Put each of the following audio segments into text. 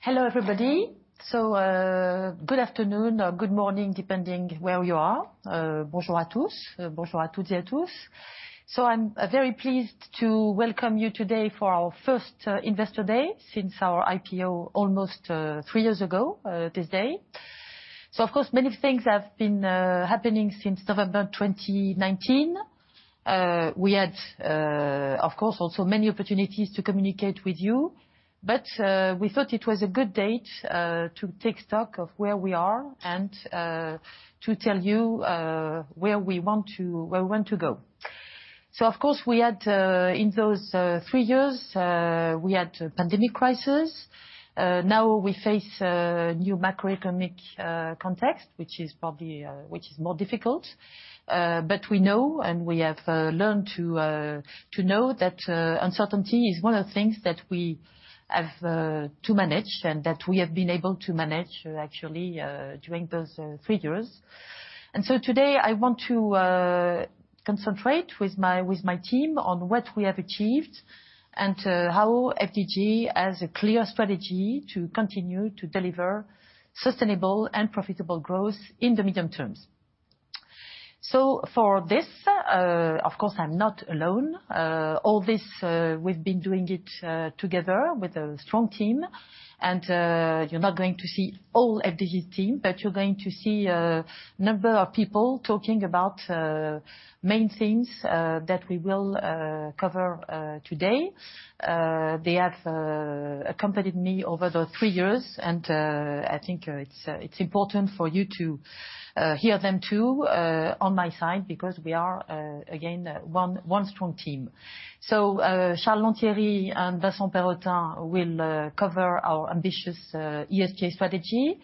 Hello, everybody. Good afternoon or good morning, depending where you are. I'm very pleased to welcome you today for our first investor day since our IPO almost three years ago, this day. Of course, many things have been happening since November 2019. We had, of course, also many opportunities to communicate with you, but we thought it was a good date to take stock of where we are and to tell you where we want to go. Of course, in those three years, we had pandemic crisis. Now we face new macroeconomic context, which is more difficult. We know and we have learned to know that uncertainty is one of the things that we have to manage and that we have been able to manage actually during those three years. Today I want to concentrate with my team on what we have achieved and how FDJ has a clear strategy to continue to deliver sustainable and profitable growth in the medium terms. For this, of course, I'm not alone. All this we've been doing it together with a strong team, and you're not going to see all FDJ team, but you're going to see a number of people talking about main themes that we will cover today. They have accompanied me over the three years, and I think it's important for you to hear them too on my side, because we are again one strong team. Charles Lantieri and Vincent Perrotin will cover our ambitious ESG strategy.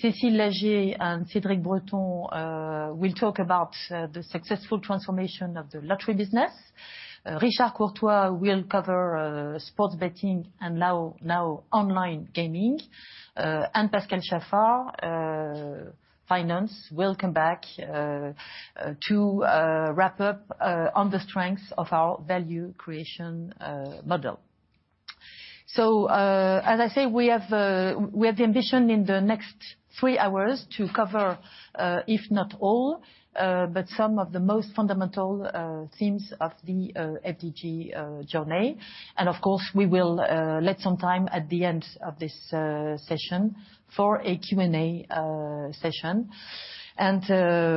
Cécile Lagé and Cédric Breton will talk about the successful transformation of the lottery business. Richard Courtois will cover sports betting and now online gaming. Pascal Chaffard, finance, will come back to wrap up on the strengths of our value creation model. As I say, we have the ambition in the next three hours to cover, if not all, but some of the most fundamental themes of the FDJ journey. Of course, we will let some time at the end of this session for a Q&A session.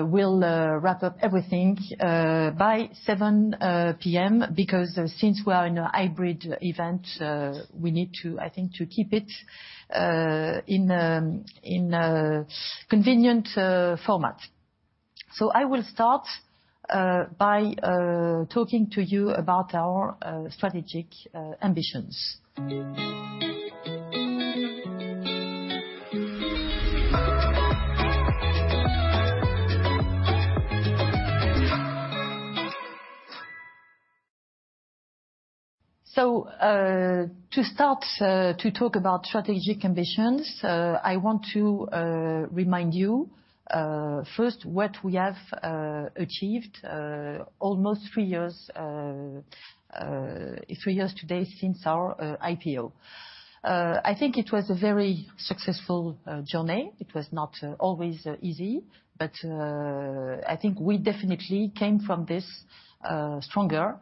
We'll wrap up everything by 7:00 P.M. because since we are in a hybrid event, we need to, I think, to keep it in a convenient format. I will start by talking to you about our strategic ambitions. To start to talk about strategic ambitions, I want to remind you first what we have achieved almost three years today since our IPO. I think it was a very successful journey. It was not always easy, but I think we definitely came from this stronger.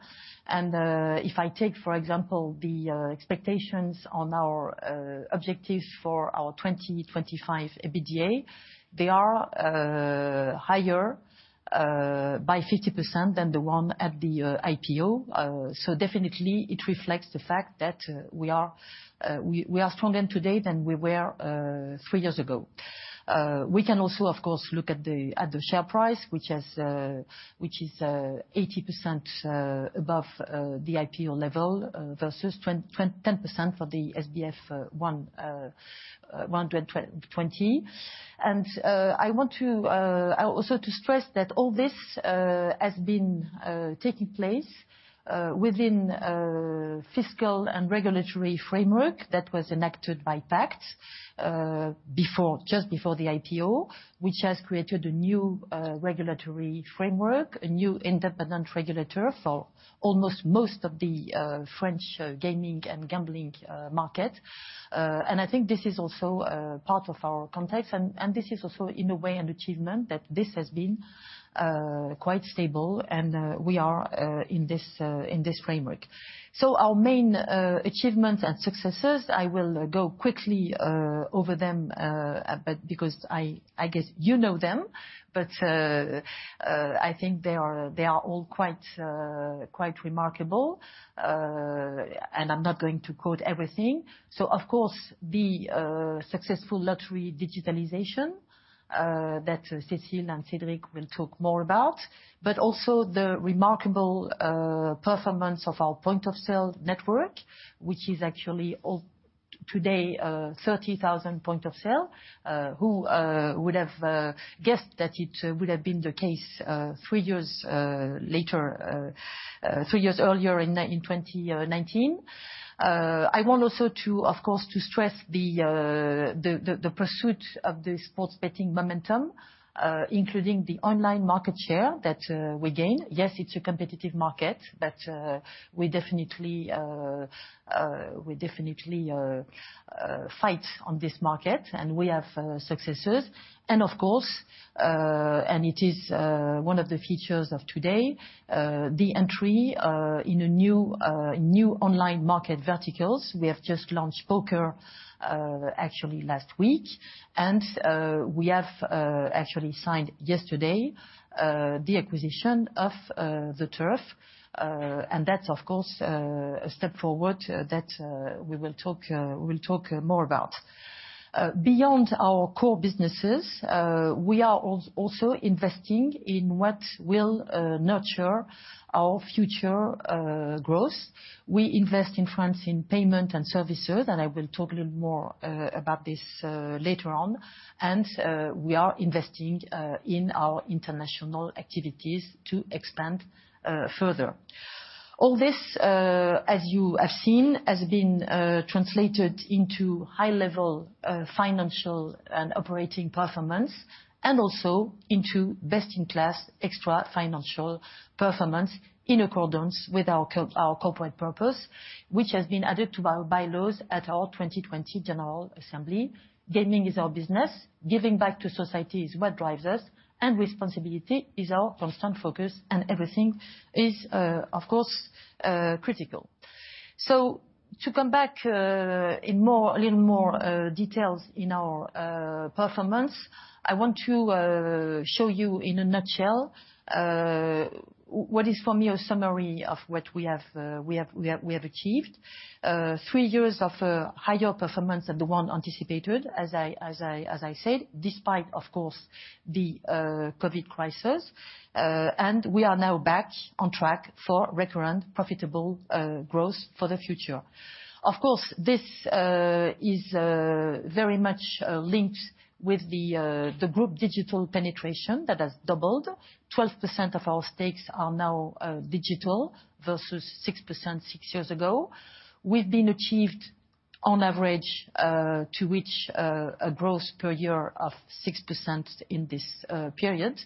If I take, for example, the expectations on our objectives for our 2025 EBITDA, they are higher by 50% than the one at the IPO. Definitely it reflects the fact that we are stronger today than we were three years ago. We can also, of course, look at the share price, which is 80% above the IPO level versus 10% for the SBF 120. And, uh, I want to, uh, also to stress that all this, uh, has been, uh, taking place, uh, within a fiscal and regulatory framework that was enacted by PACTE, uh, before, just before the IPO, which has created a new, uh, regulatory framework, a new independent regulator for almost most of the, uh, French gaming and gambling, uh, market. Uh, and I think this is also, uh, part of our context, and this is also in a way an achievement that this has been, uh, quite stable and, uh, we are, uh, in this, uh, in this framework. So our main, uh, achievements and successes, I will go quickly, uh, over them, uh, but because I guess you know them, but, uh, I think they are, they are all quite, uh, quite remarkable, uh, and I'm not going to quote everything. Of course, the successful lottery digitalization that Cécile and Cédric will talk more about, but also the remarkable performance of our point of sale network, which is actually all today 30,000 point of sale. Who would have guessed that it would have been the case three years earlier in 2019. I want also to, of course, to stress the pursuit of the sports betting momentum, including the online market share that we gain. Yes, it's a competitive market, but we definitely fight on this market and we have successes. Of course, and it is one of the features of today, the entry in a new online market verticals. We have just launched Poker actually last week. We have actually signed yesterday the acquisition of ZEturf. That's of course a step forward that we'll talk more about. Beyond our core businesses, we are also investing in what will nurture our future growth. We invest in France in payment and services, and I will talk a little more about this later on. We are investing in our international activities to expand further. All this, as you have seen, has been translated into high-level financial and operating performance, and also into best-in-class extra-financial performance in accordance with our corporate purpose, which has been added to our bylaws at our 2020 General Assembly. Gaming is our business. Giving back to society is what drives us. Responsibility is our constant focus. Everything is, of course, critical. To come back in more, a little more details in our performance, I want to show you in a nutshell what is for me a summary of what we have achieved. Three years of higher performance than the one anticipated, as I said, despite, of course, the COVID crisis. We are now back on track for recurrent profitable growth for the future. Of course, this is very much linked with the group digital penetration that has doubled. 12% of our stakes are now digital versus 6% six years ago. We've been achieved on average to reach a growth per year of 6% in this period.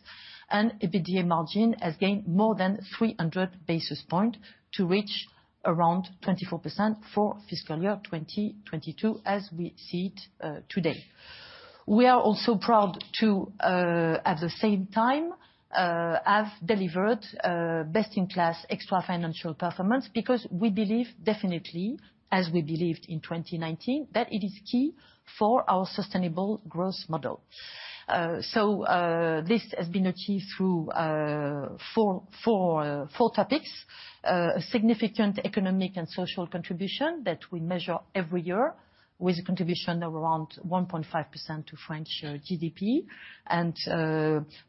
EBITDA margin has gained more than 300 basis points to reach around 24% for fiscal year 2022, as we see it today. We are also proud to at the same time have delivered best-in-class extra-financial performance because we believe definitely, as we believed in 2019, that it is key for our sustainable growth model. This has been achieved through four topics. A significant economic and social contribution that we measure every year with a contribution of around 1.5% to French GDP and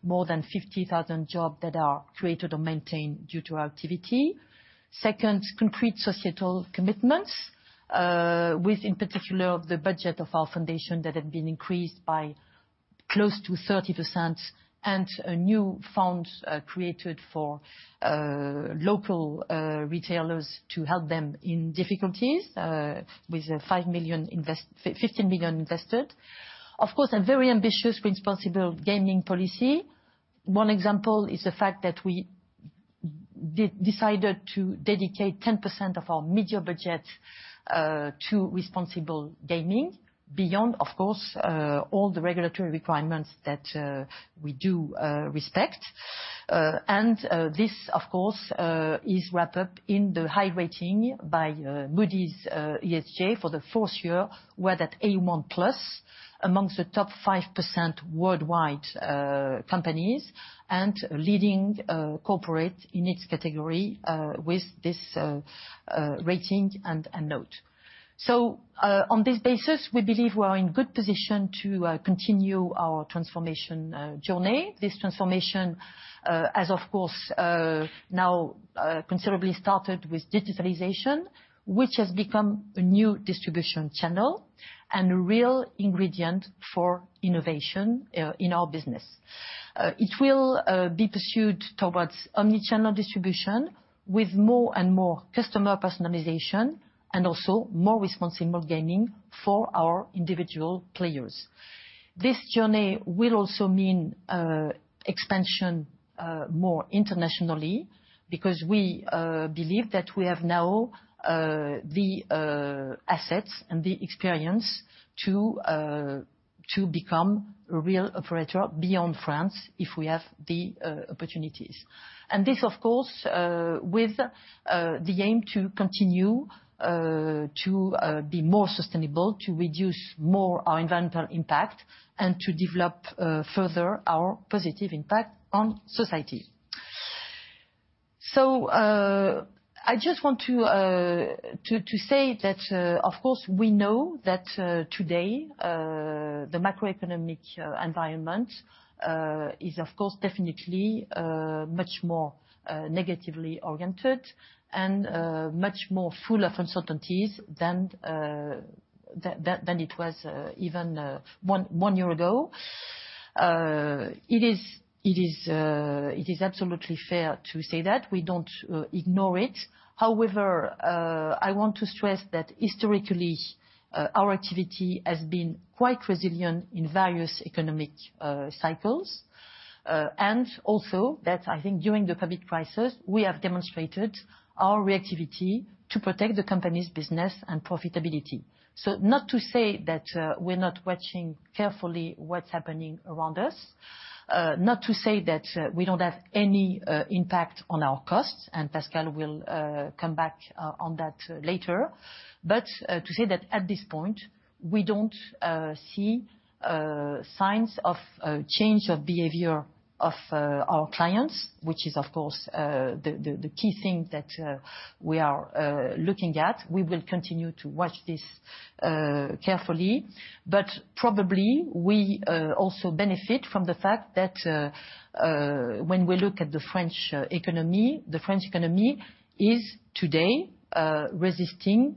more than 50,000 jobs that are created or maintained due to our activity. Second, concrete societal commitments, with in particular the budget of our foundation that had been increased by close to 30% and a new fund created for local retailers to help them in difficulties, with 15 million invested. Of course, a very ambitious responsible gaming policy. One example is the fact that we decided to dedicate 10% of our media budget to responsible gaming beyond, of course, all the regulatory requirements that we do respect. This, of course, is wrapped up in the high rating by Moody's ESG for the fourth year. We're at A1+ amongst the top 5% worldwide companies and leading corporate in its category with this rating and note. On this basis, we believe we are in good position to continue our transformation journey. This transformation has of course now considerably started with digitalization, which has become a new distribution channel and a real ingredient for innovation in our business. It will be pursued towards omni-channel distribution with more and more customer personalization and also more responsible gaming for our individual players. This journey will also mean expansion more internationally because we believe that we have now the assets and the experience to become a real operator beyond France if we have the opportunities. This, of course, with the aim to continue to be more sustainable, to reduce more our environmental impact and to develop further our positive impact on society. I just want to say that, of course, we know that today the macroeconomic environment is of course definitely much more negatively oriented and much more full of uncertainties than it was even one year ago. It is absolutely fair to say that. We don't ignore it. However, I want to stress that historically, our activity has been quite resilient in various economic cycles. Also that, I think during the COVID crisis, we have demonstrated our reactivity to protect the company's business and profitability. Not to say that we're not watching carefully what's happening around us, not to say that we don't have any impact on our costs, and Pascal will come back on that later. To say that at this point, we don't see signs of a change of behavior of our clients, which is of course the key thing that we are looking at. We will continue to watch this carefully. Probably we also benefit from the fact that when we look at the French economy, the French economy is today resisting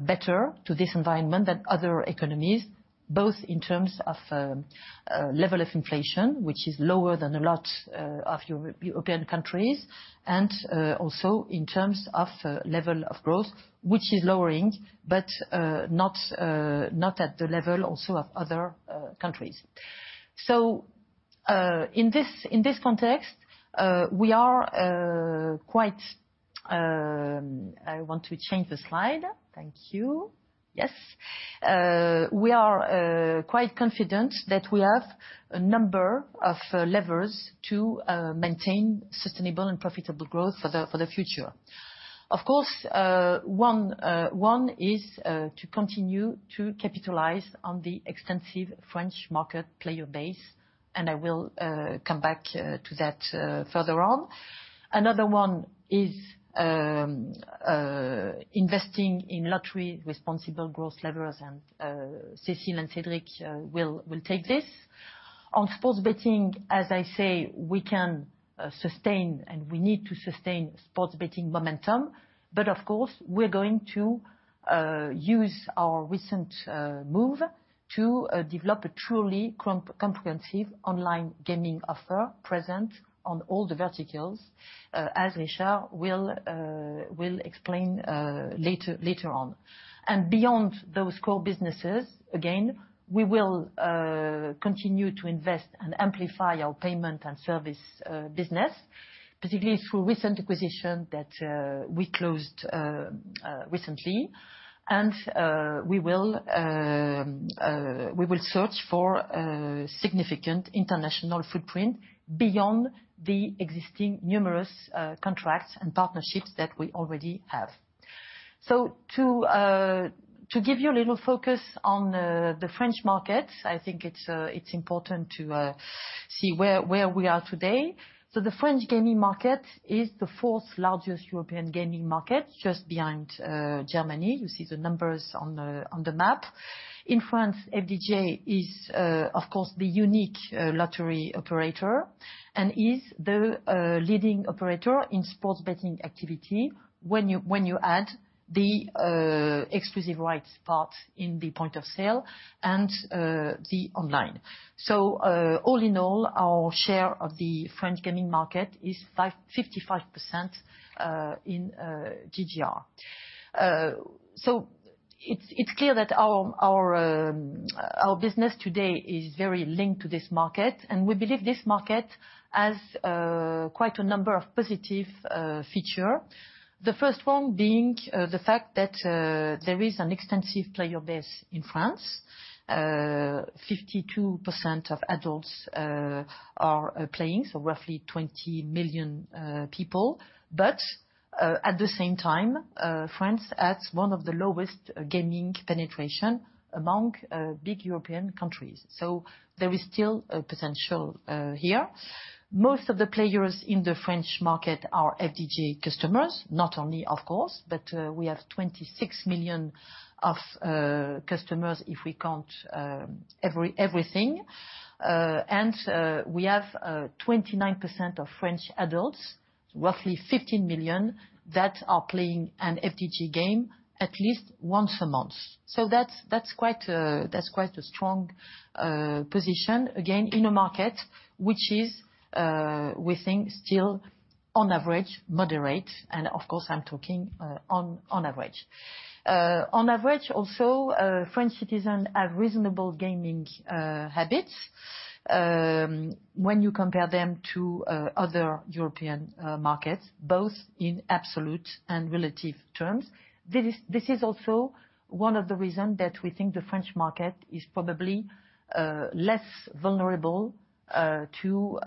better to this environment than other economies, both in terms of level of inflation, which is lower than a lot of European countries, and also in terms of level of growth, which is lowering, but not at the level also of other countries. In this context, we are quite. I want to change the slide. Thank you. Yes. We are quite confident that we have a number of levers to maintain sustainable and profitable growth for the future. Of course, one is to continue to capitalize on the extensive French market player base, and I will come back to that further on. Another one is investing in lottery responsible growth levers, and Cécile and Cédric will take this. On sports betting, as I say, we can sustain and we need to sustain sports betting momentum, but of course, we're going to use our recent move to develop a truly comprehensive online gaming offer present on all the verticals, as Richard will explain later on. Beyond those core businesses, again, we will continue to invest and amplify our payment and service business, particularly through recent acquisition that we closed recently. We will search for significant international footprint beyond the existing numerous contracts and partnerships that we already have. To give you a little focus on the French market, I think it's important to see where we are today. The French gaming market is the fourth largest European gaming market, just behind Germany. You see the numbers on the map. In France, FDJ is, of course, the unique lottery operator and is the leading operator in sports betting activity when you add the exclusive rights part in the point of sale and the online. All in all, our share of the French gaming market is 55% in GGR. It's clear that our business today is very linked to this market, and we believe this market has quite a number of positive features. The first one being the fact that there is an extensive player base in France. 52% of adults are playing, roughly 20 million people. At the same time, France has one of the lowest gaming penetration among big European countries. There is still a potential here. Most of the players in the French market are FDJ customers. Not only, of course, but we have 26 million of customers if we count everything. We have 29% of French adults, roughly 15 million, that are playing an FDJ game at least once a month. That's quite a strong position, again, in a market which is, we think, still on average moderate and of course, I'm talking on average. On average, also, French citizen have reasonable gaming habits when you compare them to other European markets, both in absolute and relative terms. This is also one of the reason that we think the French market is probably less vulnerable to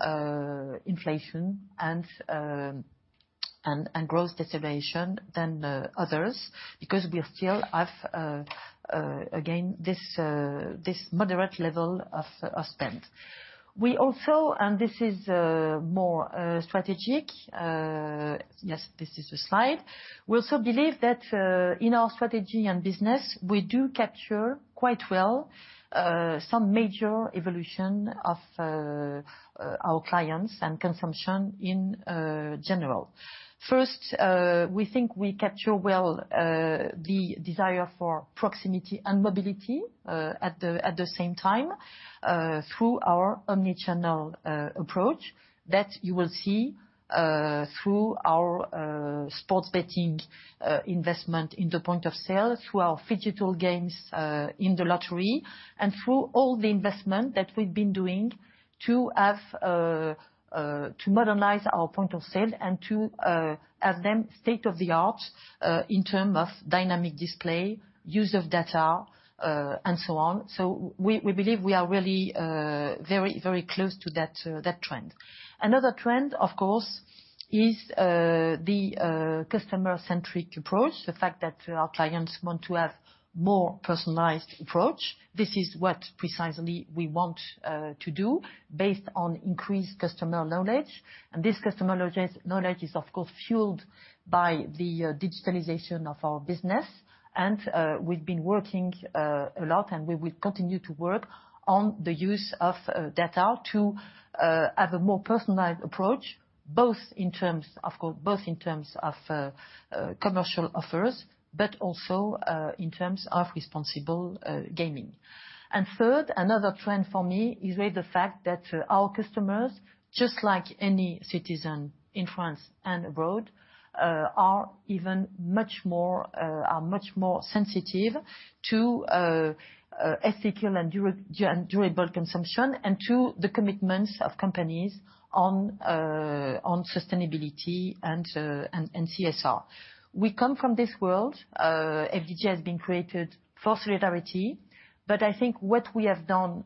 inflation and growth deceleration than others because we still have, again, this moderate level of spend. We also, and this is more strategic. Yes, this is the slide. We also believe that in our strategy and business, we do capture quite well some major evolution of our clients and consumption in general. First, we think we capture well the desire for proximity and mobility at the same time through our omni-channel approach that you will see through our sports betting investment in the point of sale, through our phygital games in the lottery, and through all the investment that we've been doing to modernize our point of sale and to have them state-of-the-art in term of dynamic display, use of data, and so on. We believe we are really very close to that trend. Another trend, of course, is the customer-centric approach. The fact that our clients want to have more personalized approach. This is what precisely we want to do based on increased customer knowledge. This customer knowledge is, of course, fueled by the digitalization of our business. We've been working a lot, and we will continue to work on the use of data to have a more personalized approach, both in terms of commercial offers, but also in terms of responsible gaming. Third, another trend for me is really the fact that our customers, just like any citizen in France and abroad, are much more sensitive to ethical and durable consumption and to the commitments of companies on sustainability and CSR. We come from this world. FDJ has been created for solidarity. I think what we have done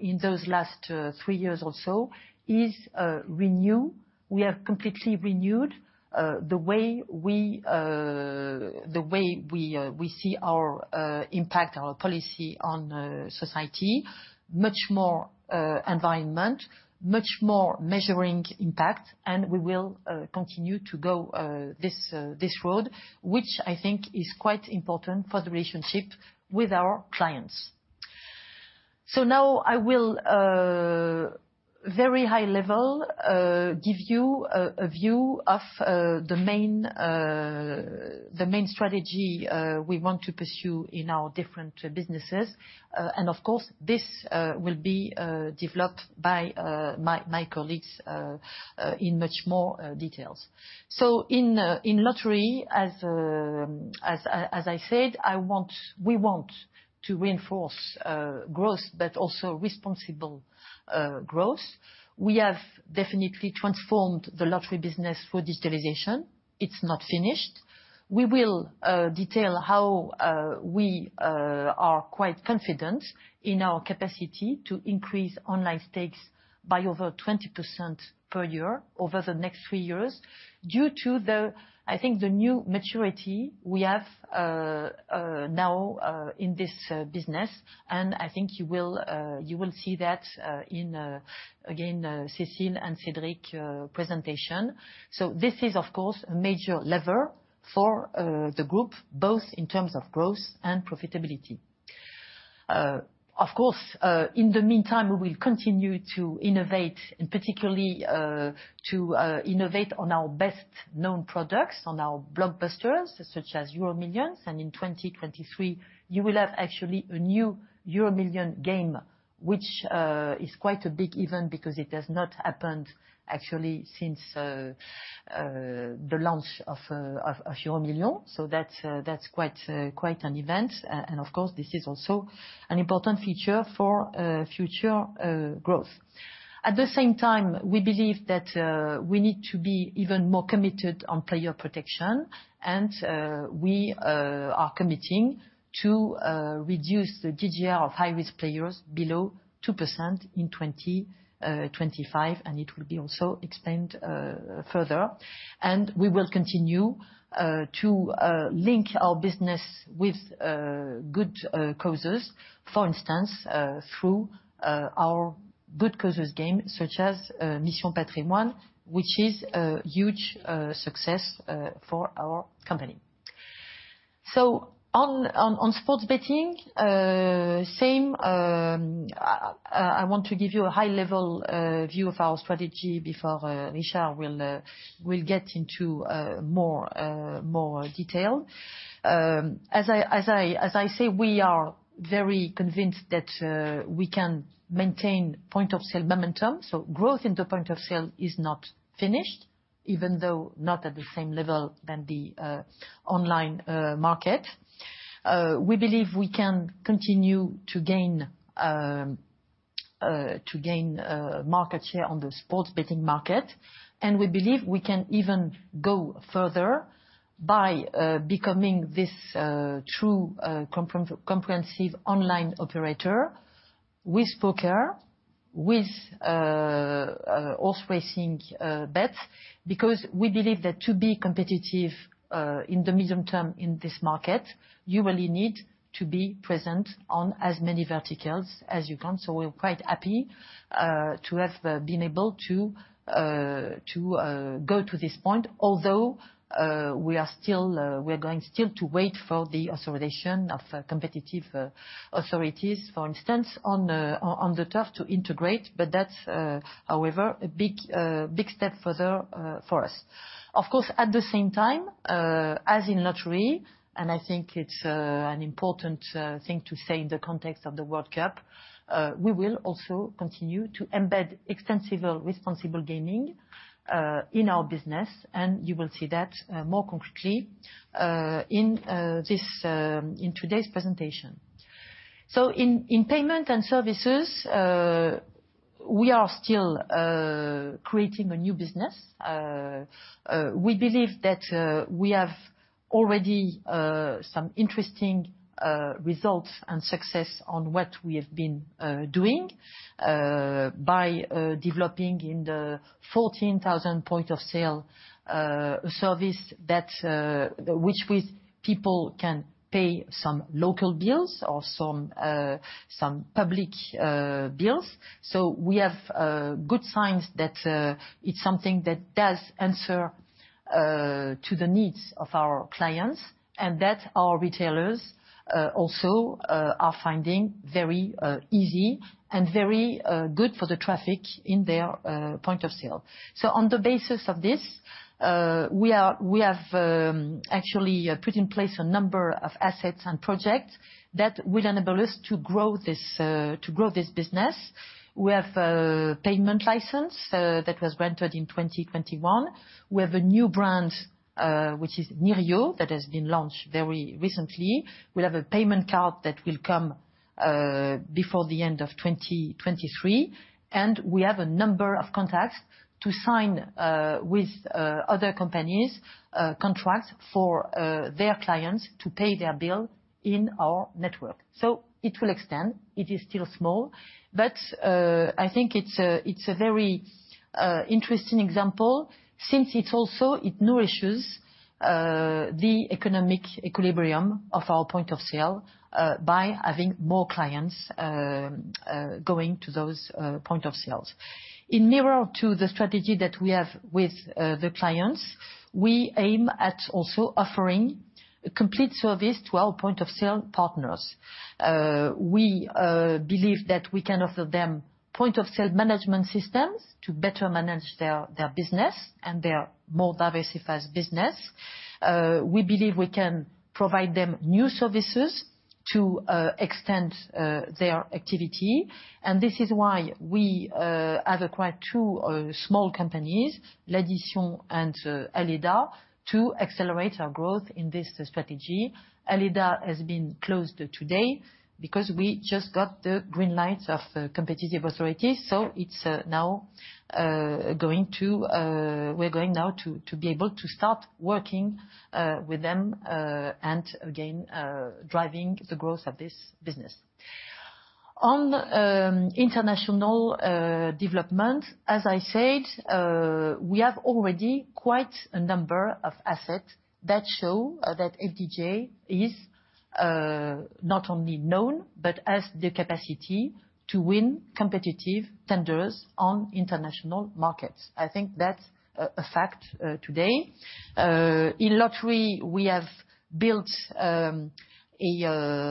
in those last three years or so is renew. We have completely renewed the way we see our impact, our policy on society, much more environment, much more measuring impact. We will continue to go this road, which I think is quite important for the relationship with our clients. Now I will, very high level, give you a view of the main strategy we want to pursue in our different businesses. Of course, this will be developed by my colleagues in much more details. In lottery as I said, I want. We want to reinforce growth, but also responsible growth. We have definitely transformed the lottery business through digitalization. It is not finished. We will detail how we are quite confident in our capacity to increase online stakes by over 20% per year over the next three years due to, I think, the new maturity we have now in this business. I think you will see that in, again, Cécile and Cédric presentation. This is, of course, a major lever for the group, both in terms of growth and profitability. Of course, in the meantime, we will continue to innovate and particularly to innovate on our best-known products, on our blockbusters such as EuroMillions. In 2023 you will have actually a new EuroMillions game, which is quite a big event because it has not happened actually since the launch of EuroMillions. That's quite an event. Of course, this is also an important feature for future growth. At the same time, we believe that we need to be even more committed on player protection. We are committing to reduce the GGR of high-risk players below 2% in 2025. It will be also explained further. We will continue to link our business with good causes. For instance, through our good causes game such as Mission Patrimoine, which is a huge success for our company. On sports betting, same, I want to give you a high-level view of our strategy before Richard will get into more detail. As I say, we are very convinced that we can maintain point-of-sale momentum. Growth in the point-of-sale is not finished, even though not at the same level than the online market. We believe we can continue to gain market share on the sports betting market. We believe we can even go further by becoming this true comprehensive online operator with Poker, with horse racing bets. We believe that to be competitive in the medium term in this market, you really need to be present on as many verticals as you can. We're quite happy to have been able to go to this point. Although we are going still to wait for the authorization of competition authorities, for instance, on ZEturf to integrate. That's, however, a big step further for us. Of course, at the same time as in lottery, and I think it's an important thing to say in the context of the World Cup, we will also continue to embed extensive responsible gaming in our business, and you will see that more concretely in today's presentation. In payment and services, we are still creating a new business. We believe that we have already some interesting results and success on what we have been doing by developing in the 14,000 point of sale service that people can pay some local bills or some public bills. We have good signs that it's something that does answer to the needs of our clients and that our retailers also are finding very easy and very good for the traffic in their point of sale. On the basis of this, we have actually put in place a number of assets and projects that will enable us to grow this business. We have a payment license that was granted in 2021. We have a new brand which is Nirio that has been launched very recently. We have a payment card that will come before the end of 2023, and we have a number of contracts to sign with other companies, contracts for their clients to pay their bill in our network. It will extend. It is still small, but I think it's a very interesting example since it also nourishes the economic equilibrium of our point of sale by having more clients going to those point of sales. In mirror to the strategy that we have with the clients, we aim at also offering complete service to our point of sale partners. We believe that we can offer them point of sale management systems to better manage their business and their more diversified business. We believe we can provide them new services to extend their activity. This is why we have acquired two small companies, L'Addition and Aleda, to accelerate our growth in this strategy. Aleda has been closed today because we just got the green light of the competitive authorities. We're going now to be able to start working with them and again driving the growth of this business. On international development, as I said, we have already quite a number of assets that show that FDJ is not only known, but has the capacity to win competitive tenders on international markets. I think that's a fact today. In lottery, we have built a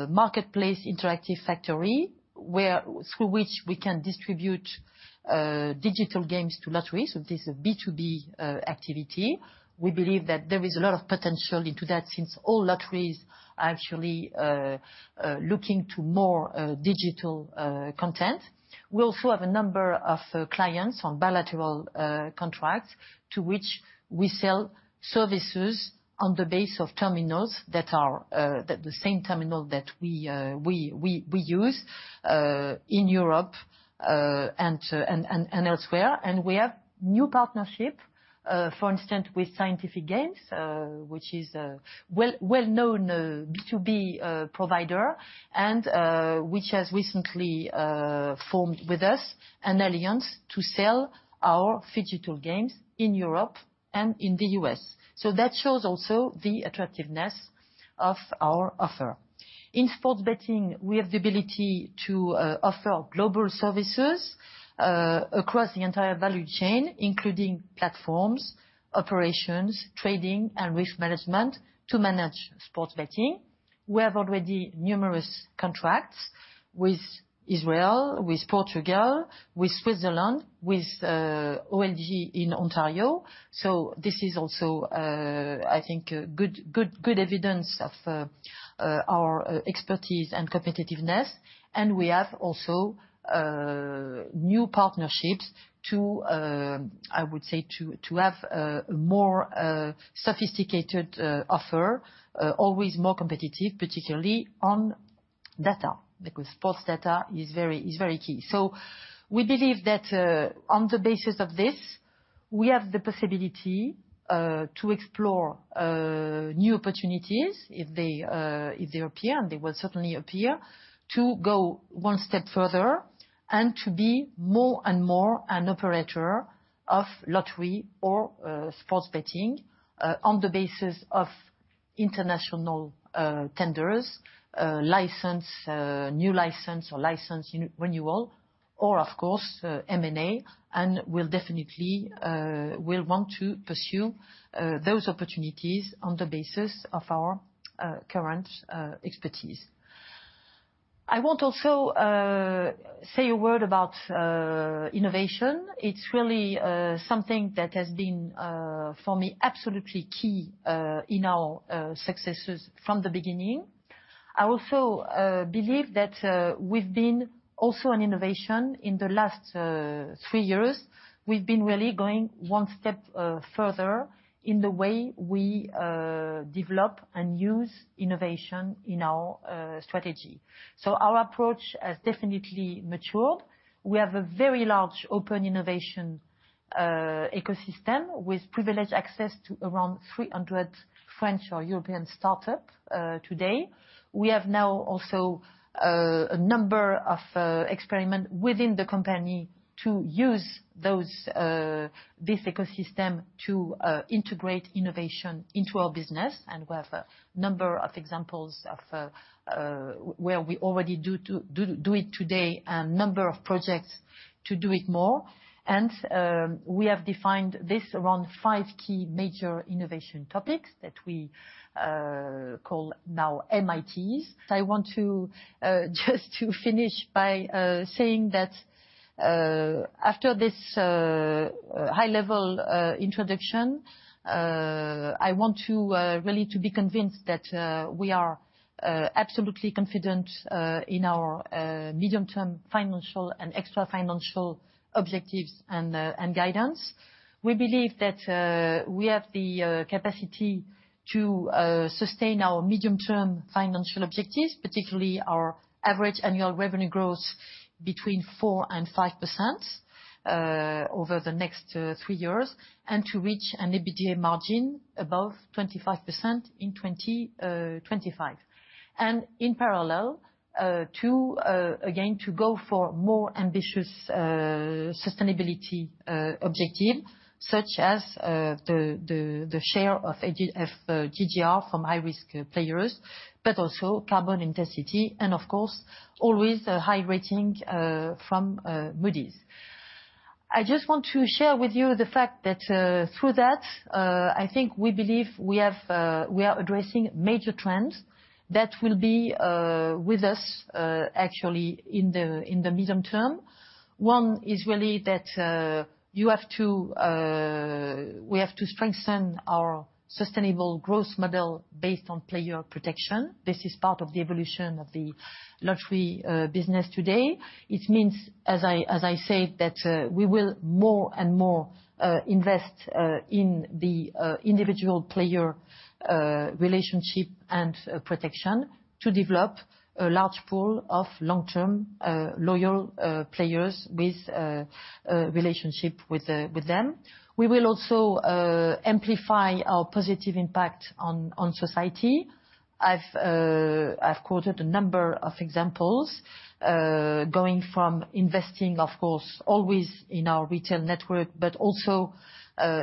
marketplace interactive factory through which we can distribute digital games to lottery. This is B2B activity. We believe that there is a lot of potential into that since all lotteries are actually looking to more digital content. We also have a number of clients on bilateral contracts to which we sell services on the base of terminals that are the same terminal that we use in Europe and elsewhere. We have new partnership, for instance, with Scientific Games, which is a well-known B2B provider and which has recently formed with us an alliance to sell our phygital games in Europe and in the U.S. That shows also the attractiveness of our offer. In sports betting, we have the ability to offer global services across the entire value chain, including platforms, operations, trading, and risk management to manage sports betting. We have already numerous contracts with Israel, with Portugal, with Switzerland, with OLG in Ontario. This is also, I think a good evidence of our expertise and competitiveness. We have also new partnerships, I would say to have a more sophisticated offer, always more competitive, particularly on data, because sports data is very key. We believe that on the basis of this, we have the possibility to explore new opportunities if they appear, and they will certainly appear, to go one step further and to be more and more an operator of lottery or sports betting on the basis of international tenders, license, new license or license re-renewal, or of course, M&A. We'll definitely want to pursue those opportunities on the basis of our current expertise. I want also say a word about innovation. It's really something that has been for me absolutely key in our successes from the beginning. I also believe that we've been also an innovation in the last three years. We've been really going one step further in the way we develop and use innovation in our strategy. Our approach has definitely matured. We have a very large open innovation ecosystem with privileged access to around 300 French or European startup. Today, we have now also a number of experiment within the company to use this ecosystem to integrate innovation into our business. We have a number of examples of where we already do it today and number of projects to do it more. We have defined this around five key major innovation topics that we call now MITs. I want to just to finish by saying that after this high-level introduction, I want to really to be convinced that we are absolutely confident in our medium-term financial and extra-financial objectives and guidance. We believe that we have the capacity to sustain our medium-term financial objectives, particularly our average annual revenue growth between 4% and 5% over the next three years, and to reach an EBITDA margin above 25% in 2025. In parallel to again to go for more ambitious sustainability objective such as the share of GGR from high-risk players, but also carbon intensity and of course, always a high rating from Moody's. I just want to share with you the fact that through that, I think we believe we are addressing major trends that will be actually in the medium term. One is really that we have to strengthen our sustainable growth model based on player protection. This is part of the evolution of the lottery business today. It means, as I said, that we will more and more invest in the individual player relationship and protection to develop a large pool of long-term loyal players with relationship with them. We will also amplify our positive impact on society. I've quoted a number of examples going from investing, of course, always in our retail network, but also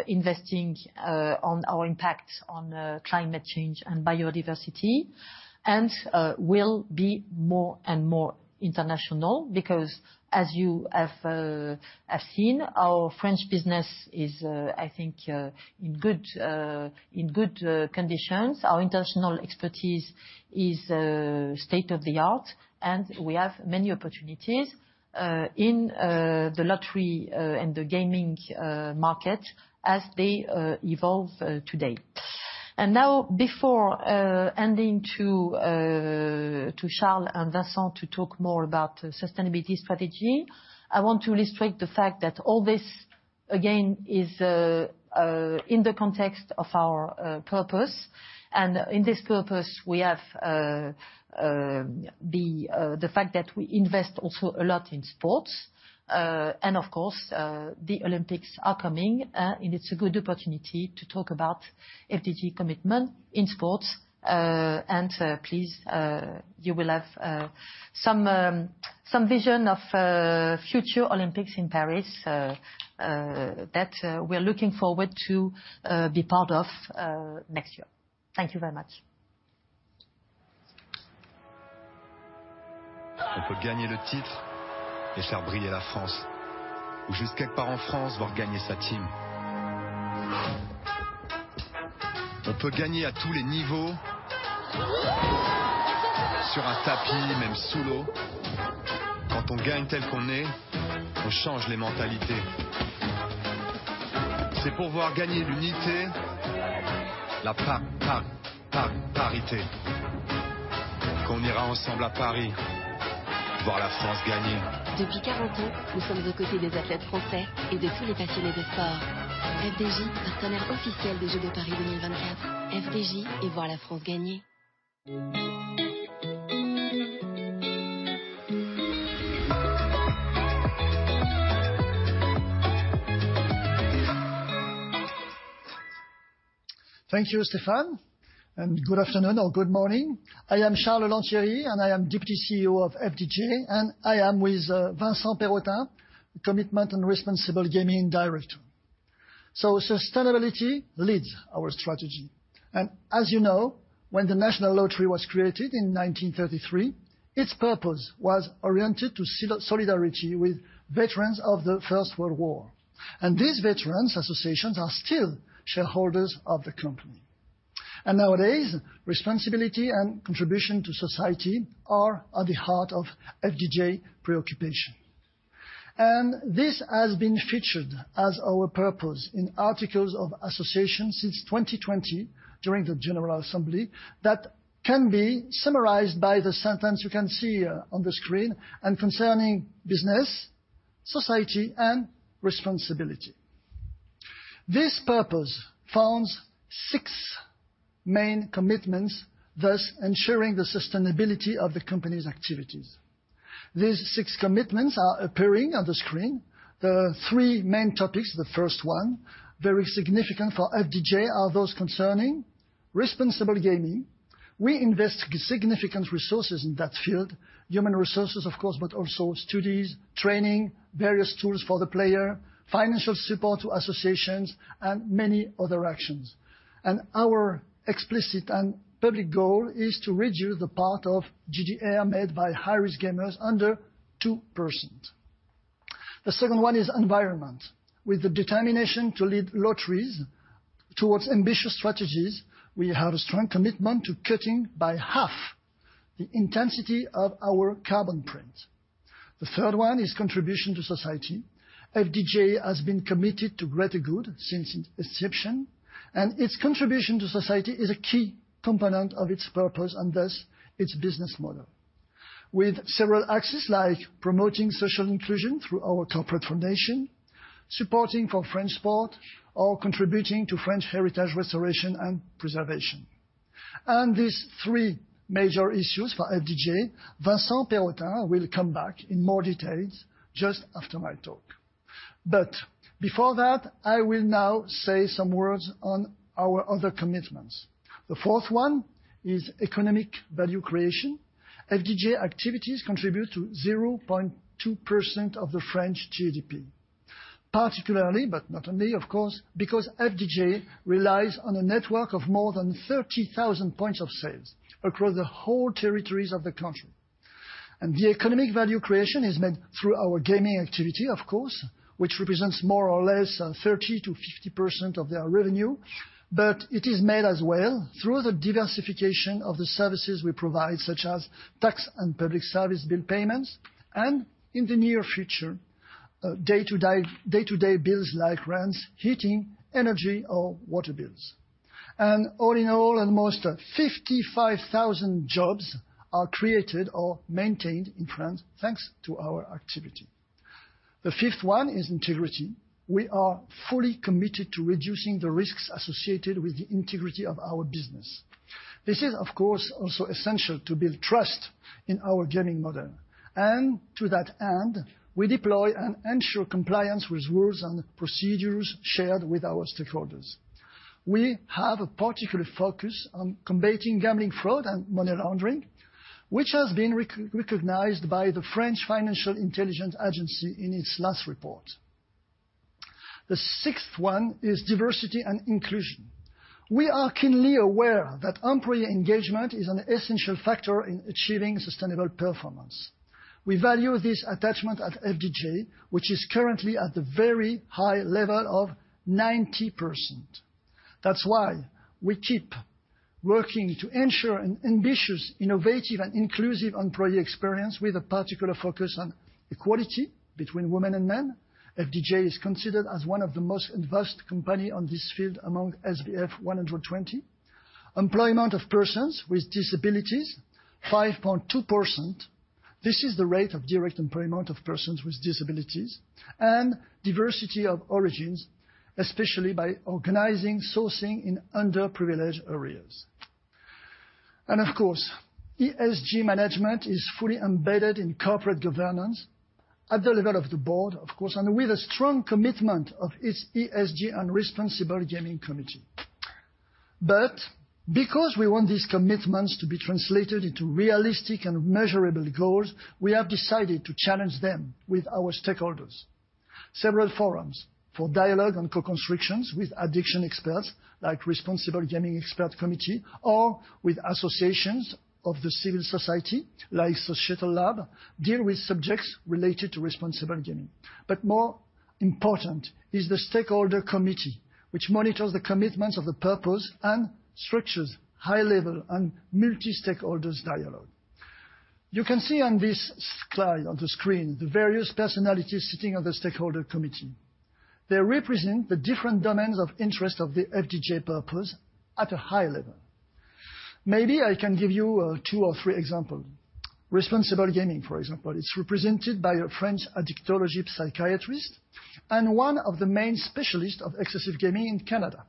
investing on our impact on climate change and biodiversity. We'll be more and more international because as you have seen our French business is, I think, in good conditions. Our international expertise is state-of-the-art, and we have many opportunities in the lottery and the gaming market as they evolve today. Now, before handing to Charles and Vincent to talk more about sustainability strategy, I want to illustrate the fact that all this, again, is in the context of our purpose. In this purpose we have the fact that we invest also a lot in sports. Of course, the Olympics are coming, and it's a good opportunity to talk about FDJ commitment in sports. Please, you will have some vision of future Olympics in Paris that we are looking forward to be part of next year. Thank you very much. Thank you, Stéphane. Good afternoon or good morning. I am Charles Lantieri. I am Deputy CEO of FDJ. I am with Vincent Perrotin, Commitment and Responsible Gaming Director. Sustainability leads our strategy. As you know, when the National Lottery was created in 1933, its purpose was oriented to solidarity with veterans of the First World War. These veterans associations are still shareholders of the company. Nowadays, responsibility and contribution to society are at the heart of FDJ preoccupation. This has been featured as our purpose in articles of association since 2020 during the General Assembly. That can be summarized by the sentence you can see on the screen concerning business, society, and responsibility. This purpose found six main commitments, thus ensuring the sustainability of the company's activities. These six commitments are appearing on the screen. The three main topics. The first one, very significant for FDJ, are those concerning responsible gaming. We invest significant resources in that field. Human resources of course, but also studies, training, various tools for the player, financial support to associations, and many other actions. Our explicit and public goal is to reduce the part of GGR made by high-risk gamers under 2%. The second one is environment. With the determination to lead lotteries towards ambitious strategies, we have a strong commitment to cutting by half the intensity of our carbon print. The third one is contribution to society. FDJ has been committed to greater good since its inception, and its contribution to society is a key component of its purpose and thus its business model. With several axes like promoting social inclusion through our corporate foundation, supporting for French sport, or contributing to French heritage restoration and preservation. These three major issues for FDJ, Vincent Perrotinwill come back in more details just after my talk. Before that, I will now say some words on our other commitments. The fourth one is economic value creation. FDJ activities contribute to 0.2% of the French GDP. Particularly, but not only of course, because FDJ relies on a network of more than 30,000 points of sales across the whole territories of the country. The economic value creation is made through our gaming activity, of course, which represents more or less 30%-50% of their revenue. It is made as well through the diversification of the services we provide, such as tax and public service bill payments. In the near future, day-to-day bills like rents, heating, energy or water bills. All in all, almost 55,000 jobs are created or maintained in France thanks to our activity. The fifth one is integrity. We are fully committed to reducing the risks associated with the integrity of our business. This is, of course, also essential to build trust in our gaming model. To that end, we deploy and ensure compliance with rules and procedures shared with our stakeholders. We have a particular focus on combating gambling fraud and money laundering, which has been recognized by the French Financial Intelligence Agency in its last report. The sixth one is diversity and inclusion. We are keenly aware that employee engagement is an essential factor in achieving sustainable performance. We value this attachment at FDJ, which is currently at the very high level of 90%. That's why we keep working to ensure an ambitious, innovative and inclusive employee experience with a particular focus on equality between women and men. FDJ is considered as one of the most advanced company on this field among SBF 120. Employment of persons with disabilities, 5.2%. This is the rate of direct employment of persons with disabilities. Diversity of origins, especially by organizing, sourcing in underprivileged areas. Of course, ESG management is fully embedded in corporate governance at the level of the board, of course, and with a strong commitment of its ESG and responsible gaming committee. Because we want these commitments to be translated into realistic and measurable goals, we have decided to challenge them with our stakeholders. Several forums for dialogue and co-constructions with addiction experts like Responsible Gaming Expert Committee, or with associations of the civil society like Sociétalab, deal with subjects related to responsible gaming. More important is the Stakeholder Committee, which monitors the commitments of the purpose and structures high-level and multi-stakeholder dialogue. You can see on this slide on the screen the various personalities sitting on the Stakeholder Committee. They represent the different domains of interest of the FDJ purpose at a high level. Maybe I can give you two or three example. Responsible gaming, for example. It's represented by a French addictology psychiatrist and one of the main specialists of excessive gaming in Canada.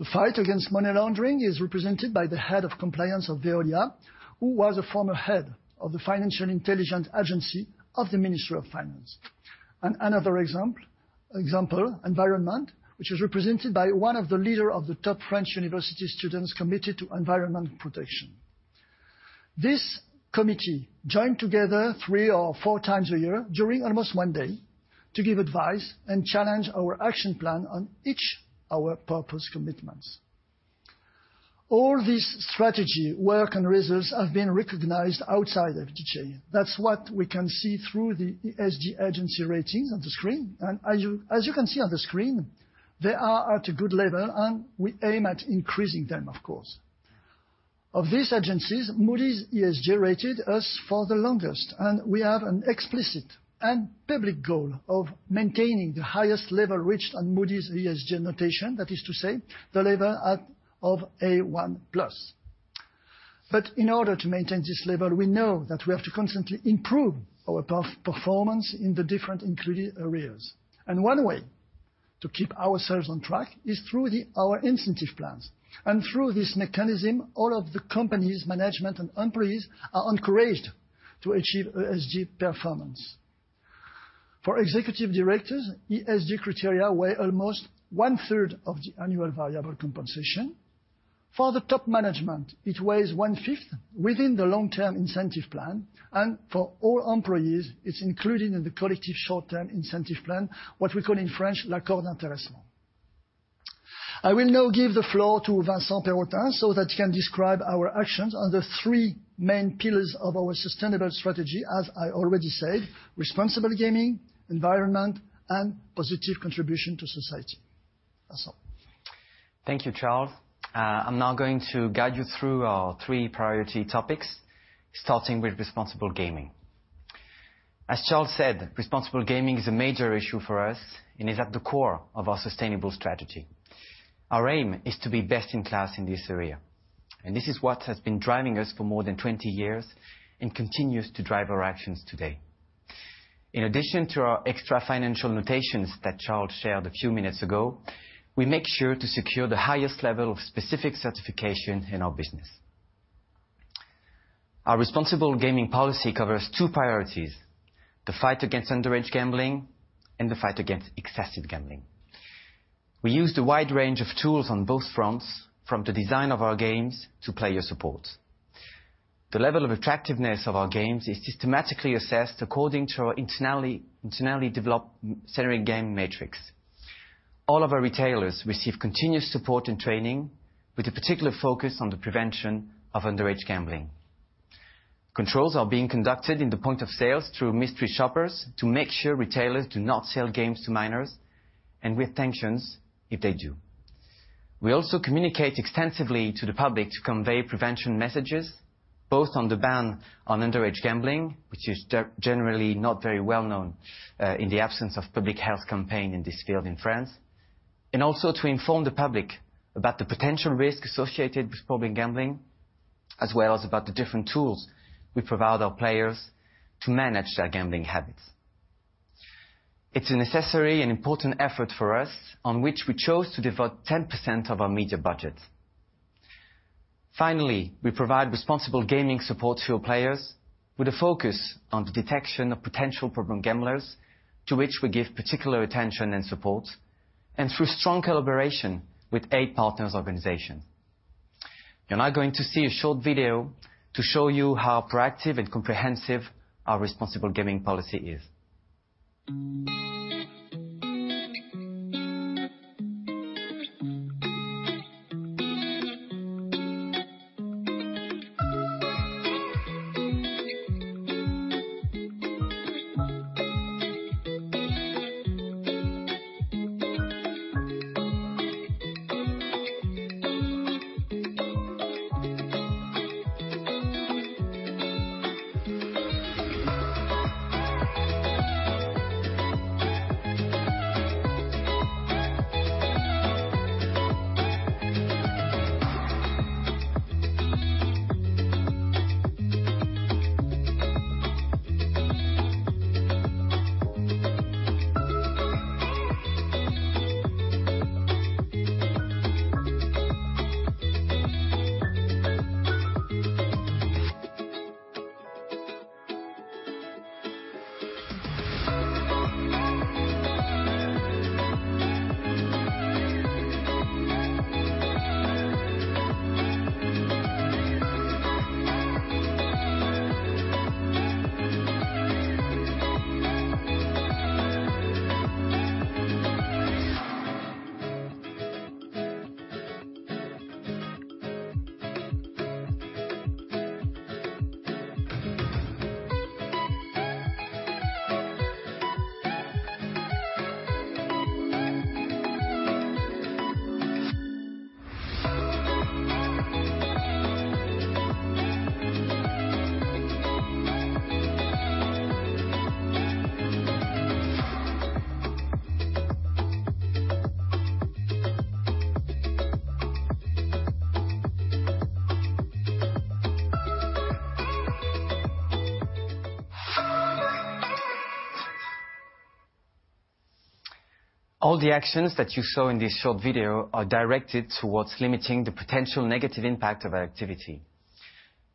The fight against money laundering is represented by the head of compliance of Veolia, who was a former head of the Financial Intelligence Agency of the Ministry of Finance. Another example. Example, environment, which is represented by one of the leader of the top French university students committed to environment protection. This committee joined together three or 4x a year during almost one day to give advice and challenge our action plan on each our purpose commitments. All this strategy, work, and results have been recognized outside FDJ. That is what we can see through the ESG agency ratings on the screen. As you can see on the screen, they are at a good level, and we aim at increasing them, of course. Of these agencies, Moody's ESG rated us for the longest, and we have an explicit and public goal of maintaining the highest level reached on Moody's ESG notation. That is to say the level of A1+. In order to maintain this level, we know that we have to constantly improve our performance in the different included areas. One way to keep ourselves on track is through our incentive plans. Through this mechanism, all of the company's management and employees are encouraged to achieve ESG performance. For executive directors, ESG criteria weigh almost one-third of the annual variable compensation. For the top management, it weighs one-fifth within the long-term incentive plan. For all employees, it's included in the collective short-term incentive plan, what we call in French, l'accord d'intéressement. I will now give the floor to Vincent Perrotin, so that he can describe our actions on the three main pillars of our sustainable strategy, as I already said, responsible gaming, environment, and positive contribution to society. Vincent. Thank you, Charles. I'm now going to guide you through our three priority topics, starting with responsible gaming. As Charles said, responsible gaming is a major issue for us and is at the core of our sustainable strategy. Our aim is to be best-in-class in this area, and this is what has been driving us for more than 20 years and continues to drive our actions today. In addition to our extra-financial notations that Charles shared a few minutes ago, we make sure to secure the highest level of specific certification in our business. Our responsible gaming policy covers two priorities, the fight against underage gambling and the fight against excessive gambling. We use the wide range of tools on both fronts, from the design of our games to player support. The level of attractiveness of our games is systematically assessed according to our internally developed Serenigame matrix. All of our retailers receive continuous support and training with a particular focus on the prevention of underage gambling. Controls are being conducted in the point of sales through mystery shoppers to make sure retailers do not sell games to minors, and with sanctions if they do. We also communicate extensively to the public to convey prevention messages, both on the ban on underage gambling, which is generally not very well-known in the absence of public health campaign in this field in France, and also to inform the public about the potential risk associated with problem gambling, as well as about the different tools we provide our players to manage their gambling habits. It's a necessary and important effort for us, on which we chose to devote 10% of our media budget. Finally, we provide responsible gaming support to our players with a focus on the detection of potential problem gamblers, to which we give particular attention and support, and through strong collaboration with eight partners organization. You're now going to see a short video to show you how proactive and comprehensive our responsible gaming policy is. All the actions that you saw in this short video are directed towards limiting the potential negative impact of our activity.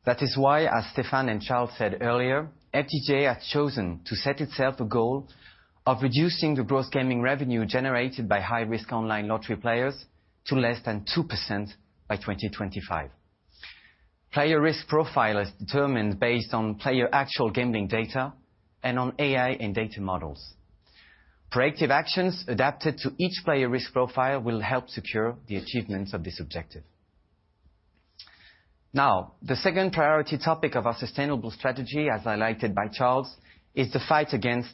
That is why, as Stéphane and Charles said earlier, FDJ has chosen to set itself a goal of reducing the gross gaming revenue generated by high-risk online lottery players to less than 2% by 2025. Player risk profile is determined based on player actual gambling data and on AI and data models. Proactive actions adapted to each player risk profile will help secure the achievements of this objective. Now, the second priority topic of our sustainable strategy, as highlighted by Charles, is the fight against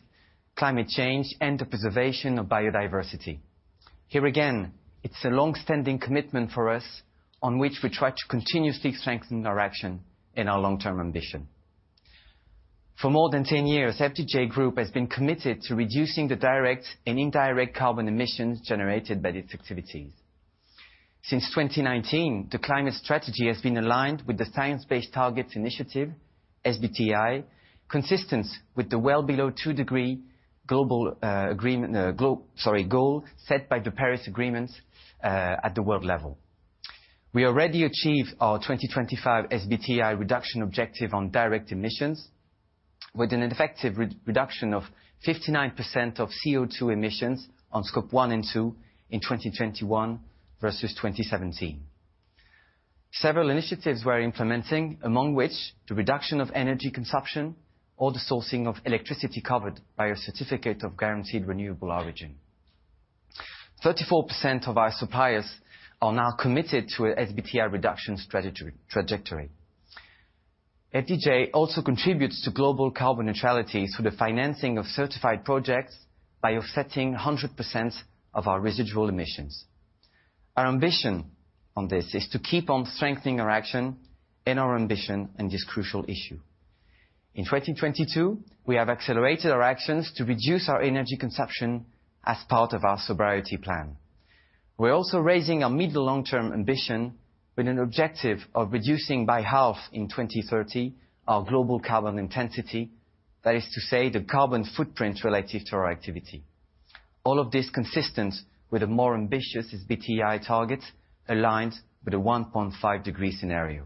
climate change and the preservation of biodiversity. Here again, it's a long-standing commitment for us on which we try to continuously strengthen our action in our long-term ambition. For more than 10 years, FDJ Group has been committed to reducing the direct and indirect carbon emissions generated by these activities. Since 2019, the climate strategy has been aligned with the Science Based Targets initiative, SBTI, consistent with the well below 2 degree global goal set by the Paris Agreement at the world level. We already achieved our 2025 SBTI reduction objective on direct emissions, with an effective re-reduction of 59% of CO₂ emissions on scope 1 and 2 in 2021 versus 2017. Several initiatives we're implementing, among which the reduction of energy consumption or the sourcing of electricity covered by a certificate of guaranteed renewable origin. 34% of our suppliers are now committed to a SBTI reduction trajectory. FDJ also contributes to global carbon neutrality through the financing of certified projects by offsetting 100% of our residual emissions. Our ambition on this is to keep on strengthening our action and our ambition in this crucial issue. In 2022, we have accelerated our actions to reduce our energy consumption as part of our sobriety plan. We're also raising our mid- to long-term ambition with an objective of reducing by half in 2030 our global carbon intensity. That is to say, the carbon footprint relative to our activity. All of this consistent with a more ambitious SBTI target aligns with a 1.5 degree scenario.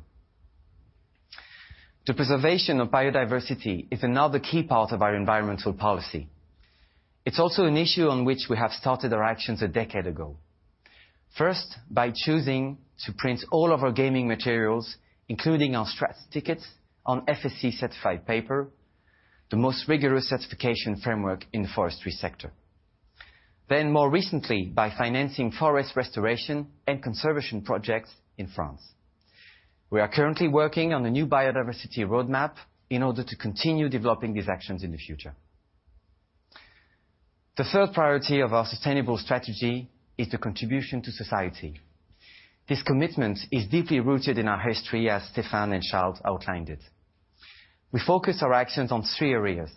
The preservation of biodiversity is another key part of our environmental policy. It's also an issue on which we have started our actions a decade ago. First, by choosing to print all of our gaming materials, including our scratch tickets on FSC-certified paper, the most rigorous certification framework in the forestry sector. More recently, by financing forest restoration and conservation projects in France. We are currently working on a new biodiversity roadmap in order to continue developing these actions in the future. The third priority of our sustainable strategy is the contribution to society. This commitment is deeply rooted in our history, as Stéphane and Charles outlined it. We focus our actions on three areas.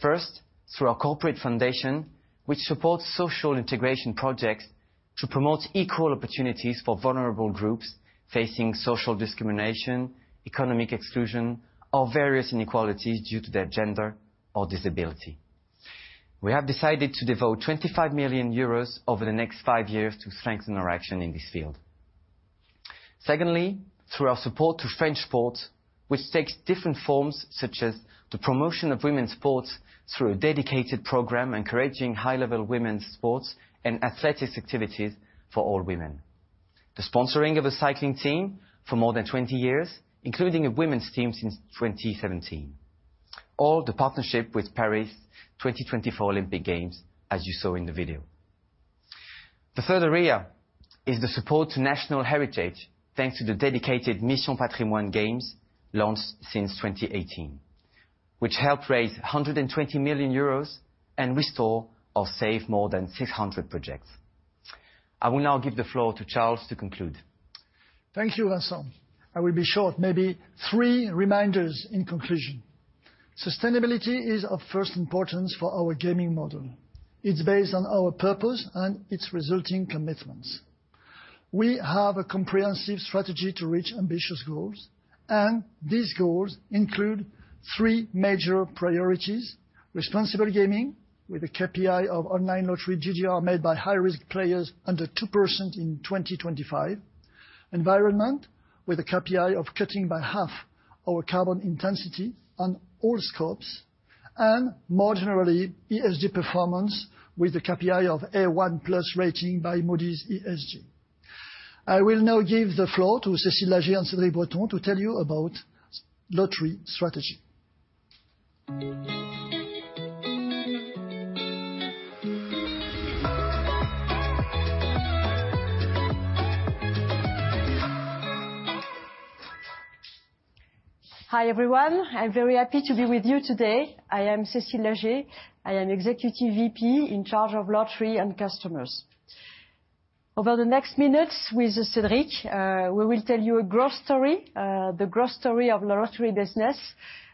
First, through our corporate foundation, which supports social integration projects to promote equal opportunities for vulnerable groups facing social discrimination, economic exclusion, or various inequalities due to their gender or disability. We have decided to devote 25 million euros over the next five years to strengthen our action in this field. Secondly, through our support to French sports, which takes different forms such as the promotion of women's sports through a dedicated program encouraging high-level women's sports and athletics activities for all women. The sponsoring of a cycling team for more than 20 years, including a women's team since 2017. The partnership with Paris 2024 Olympic Games, as you saw in the video. The third area is the support to national heritage, thanks to the dedicated Mission Patrimoine games launched since 2018, which helped raise 120 million euros and restore or save more than 600 projects. I will now give the floor to Charles to conclude. Thank you, Vincent. I will be short. Maybe three reminders in conclusion. Sustainability is of first importance for our gaming model. It's based on our purpose and its resulting commitments. We have a comprehensive strategy to reach ambitious goals, and these goals include three major priorities, responsible gaming, with a KPI of online lottery GGR made by high-risk players under 2% in 2025, environment, with a KPI of cutting by half our carbon intensity on all scopes, and more generally, ESG performance with a KPI of A1+ rating by Moody's ESG. I will now give the floor to Cécile Lagé and Cédric Breton to tell you about lottery strategy. Hi, everyone. I'm very happy to be with you today. I am Cécile Lagé. I am Executive VP in charge of lottery and customers. Over the next minutes with Cédric, we will tell you a growth story. The growth story of the lottery business.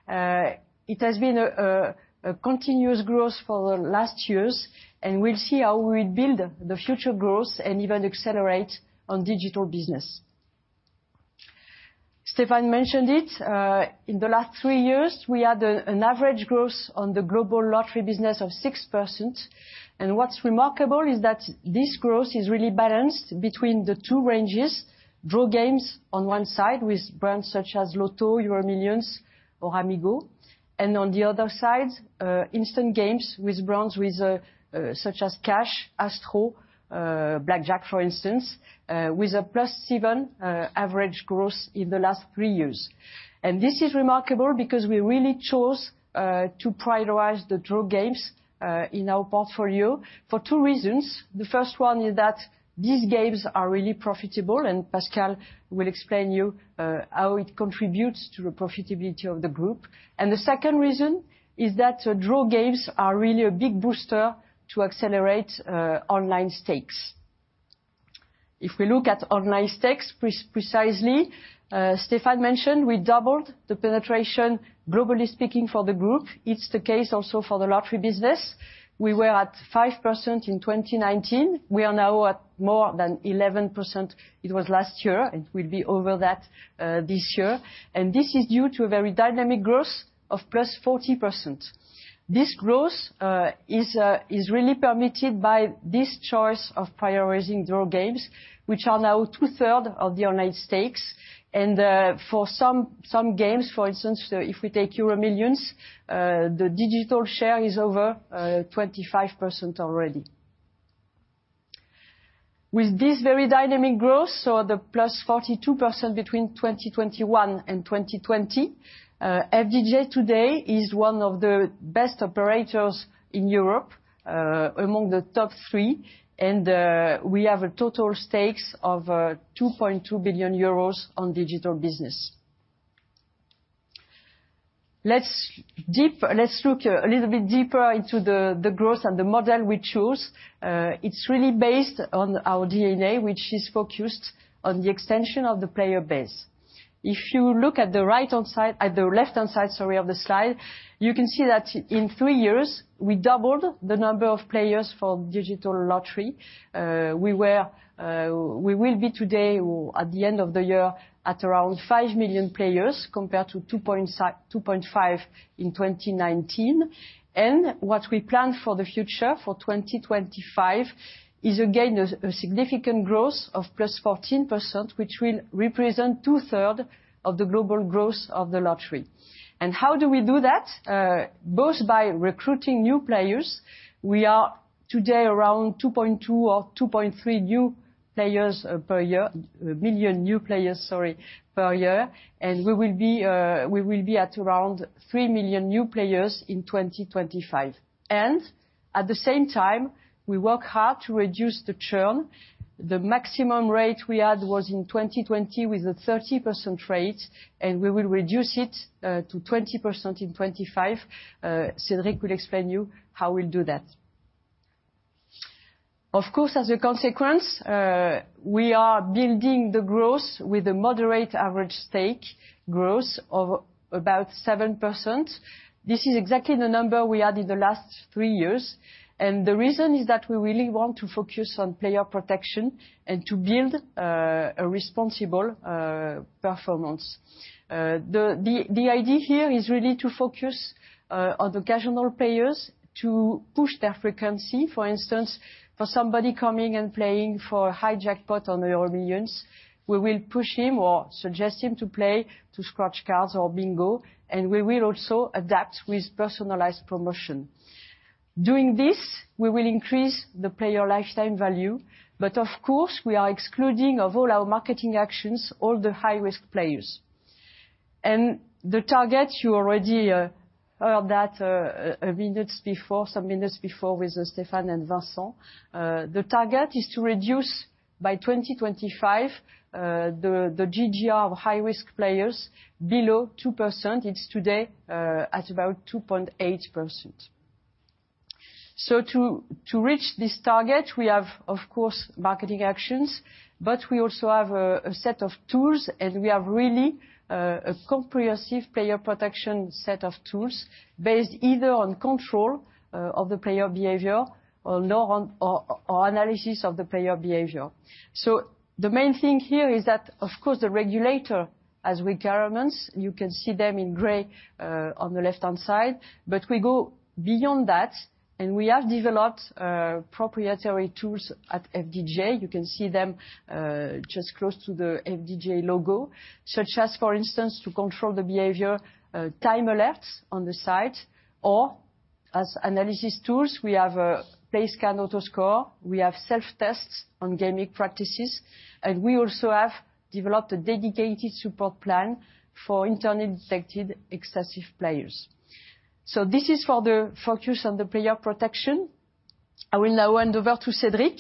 It has been a continuous growth for the last years, and we'll see how we build the future growth and even accelerate on digital business. Stéphane mentioned it, in the last three years, we had an average growth on the global lottery business of 6%. What's remarkable is that this growth is really balanced between the two ranges. Draw games on one side with brands such as Loto, EuroMillions or Amigo. On the other side, instant games with brands such as Cash, Astro, Blackjack, for instance, with a +7% average growth in the last three years. This is remarkable because we really chose to prioritize the draw games in our portfolio for two reasons. The first one is that these games are really profitable, and Pascal will explain you how it contributes to the profitability of the group. The second reason is that draw games are really a big booster to accelerate online stakes. If we look at online stakes precisely, Stéphane Pallez mentioned we doubled the penetration globally speaking for the group. It's the case also for the lottery business. We were at 5% in 2019. We are now at more than 11%. It was last year, and we'll be over that this year. This is due to a very dynamic growth of +40%. This growth is really permitted by this choice of prioritizing draw games, which are now 2/3 of the online stakes. For some games, for instance, if we take EuroMillions, the digital share is over 25% already. With this very dynamic growth, so the +42% between 2021 and 2020, FDJ today is one of the best operators in Europe, among the top three. We have a total stakes of 2.2 billion euros on digital business. Let's look a little bit deeper into the growth and the model we chose. It's really based on our DNA, which is focused on the extension of the player base. If you look at the left-hand side, sorry, of the slide, you can see that in three years we doubled the number of players for digital lottery. We will be today or at the end of the year at around 5 million players compared to 2.5 in 2019. What we plan for the future, for 2025, is again a significant growth of +14%, which will represent 2/3 of the global growth of the lottery. How do we do that? Both by recruiting new players. We are today around 2.2 or 2.3 million new players, sorry, per year. We will be at around 3 million new players in 2025. At the same time, we work hard to reduce the churn. The maximum rate we had was in 2020 with a 30% rate, and we will reduce it to 20% in 2025. Cédric will explain you how we'll do that. Of course, as a consequence, we are building the growth with a moderate average stake growth of about 7%. This is exactly the number we had in the last three years. The reason is that we really want to focus on player protection and to build a responsible performance. The idea here is really to focus on the casual players to push their frequency. For instance, for somebody coming and playing for a high jackpot on the EuroMillions, we will push him or suggest him to play to scratch cards or bingo, and we will also adapt with personalized promotion. Doing this, we will increase the player lifetime value, but of course we are excluding of all our marketing actions all the high-risk players. The target, you already heard that some minutes before with Stéphane and Vincent. The target is to reduce by 2025 the GGR of high-risk players below 2%. It's today at about 2.8%. To reach this target, we have of course marketing actions, but we also have a set of tools, and we have really a comprehensive player protection set of tools based either on control of the player behavior or analysis of the player behavior. The main thing here is that of course the regulator has requirements. You can see them in gray on the left-hand side. We go beyond that, and we have developed proprietary tools at FDJ. You can see them just close to the FDJ logo, such as, for instance, to control the behavior, time alerts on the site, or as analysis tools, we have a Playscan AutoScore. We have self-tests on gaming practices. We also have developed a dedicated support plan for internally detected excessive players. This is for the focus on the player protection. I will now hand over to Cédric.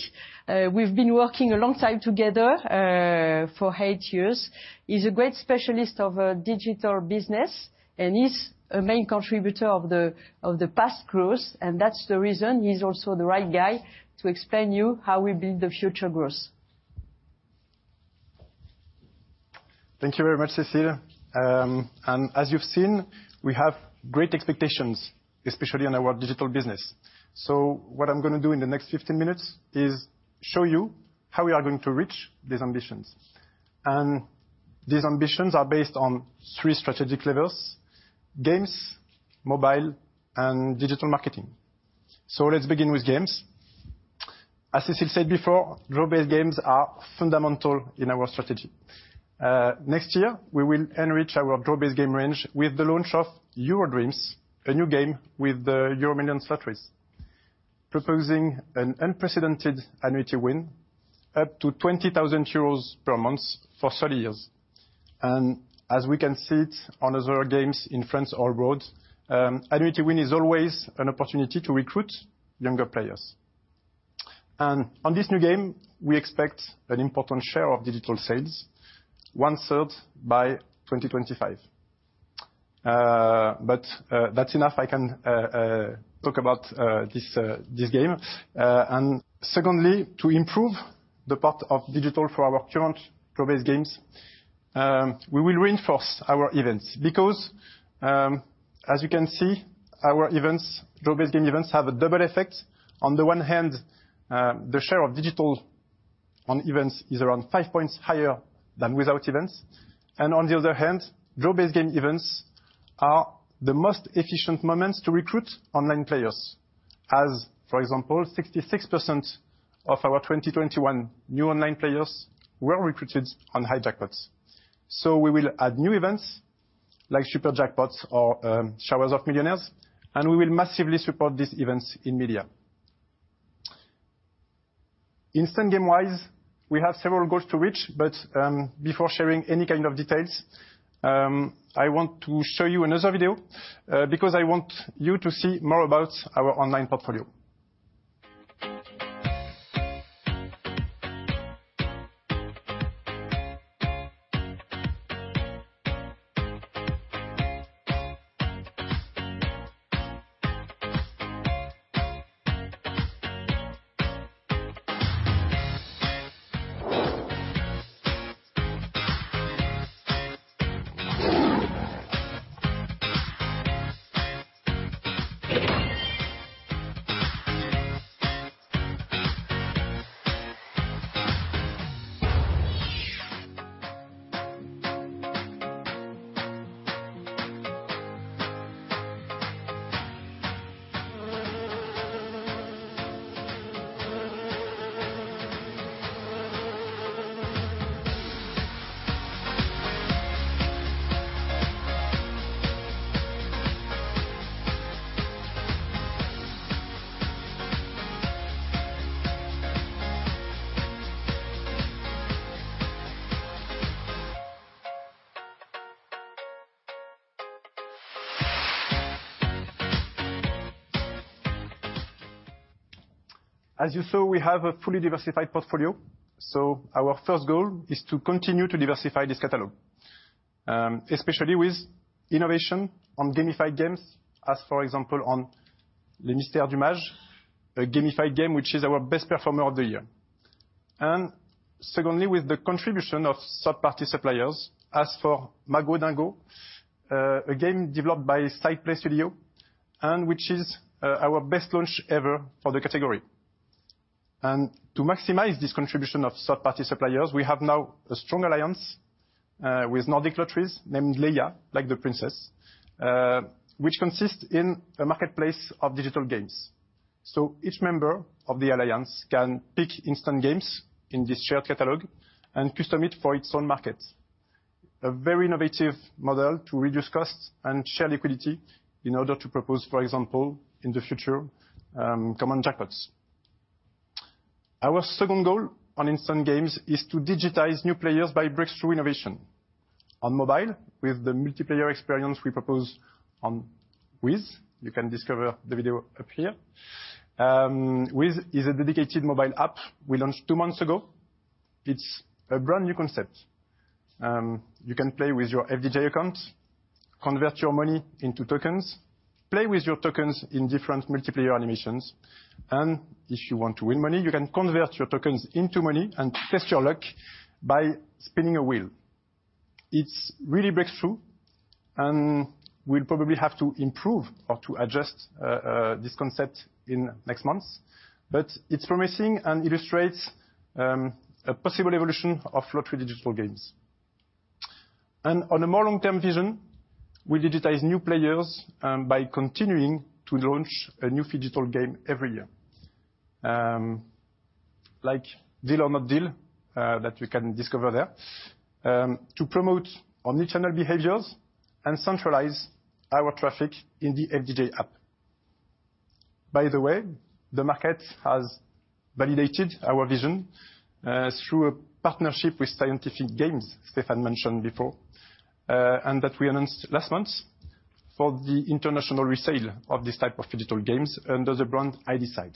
We've been working a long time together for eight years. He's a great specialist of digital business, and he's a main contributor of the past growth, and that's the reason he's also the right guy to explain you how we build the future growth. Thank you very much, Cécile. As you've seen, we have great expectations, especially on our digital business. What I'm gonna do in the next 15 minutes is show you how we are going to reach these ambitions. These ambitions are based on three strategic levers, games, mobile, and digital marketing. Let's begin with games. As Cécile said before, draw-based games are fundamental in our strategy. Next year, we will enrich our draw-based game range with the launch of EuroDreams, a new game with the EuroMillions lotteries, proposing an unprecedented annuity win up to 20,000 euros per month for 30 years. As we can see it on other games in France or abroad, annuity win is always an opportunity to recruit younger players. On this new game, we expect an important share of digital sales, 1/3 by 2025. That's enough I can talk about this game. Secondly, to improve the part of digital for our current draw-based games, we will reinforce our events because, as you can see, our events, draw-based game events, have a double effect. On the one hand, the share of digital on events is around five points higher than without events. On the other hand, draw-based game events are the most efficient moments to recruit online players. As, for example, 66% of our 2021 new online players were recruited on high jackpots. We will add new events like super jackpots or showers of millionaires, and we will massively support these events in media. Instant game-wise, we have several goals to reach. Before sharing any kind of details, I want to show you another video because I want you to see more about our online portfolio. As you saw, we have a fully diversified portfolio. Our first goal is to continue to diversify this catalog, especially with innovation on gamified games as, for example, on Jungle des Mystères, a gamified game which is our best performer of the year. Secondly, with the contribution of third-party suppliers. As for Magot Dingo, a game developed by SidePlay Studio, and which is our best launch ever for the category. To maximize this contribution of third-party suppliers, we have now a strong alliance with Nordic Lotteries, named LEIA, like the princess, which consists in a marketplace of digital games. Each member of the Alliance can pick instant games in this shared catalog and custom it for its own market. A very innovative model to reduce costs and share liquidity in order to propose, for example, in the future, common jackpots. Our second goal on instant games is to digitize new players by breakthrough innovation. On mobile, with the multiplayer experience we propose on WIZZ. You can discover the video up here. WIZZ is a dedicated mobile app we launched two months ago. It's a brand-new concept. You can play with your FDJ account, convert your money into tokens, play with your tokens in different multiplayer animations, and if you want to win money, you can convert your tokens into money and test your luck by spinning a wheel. It's really breakthrough, and we'll probably have to improve or to adjust this concept in next months. It's promising and illustrates a possible evolution of lottery digital games. On a more long-term vision, we digitize new players by continuing to launch a new phygital game every year, like Deal or No Deal that you can discover there to promote omni-channel behaviors and centralize our traffic in the FDJ app. By the way, the market has validated our vision through a partnership with Scientific Games, Stéphane mentioned before, and that we announced last month for the international resale of this type of phygital games under the brand iDecide.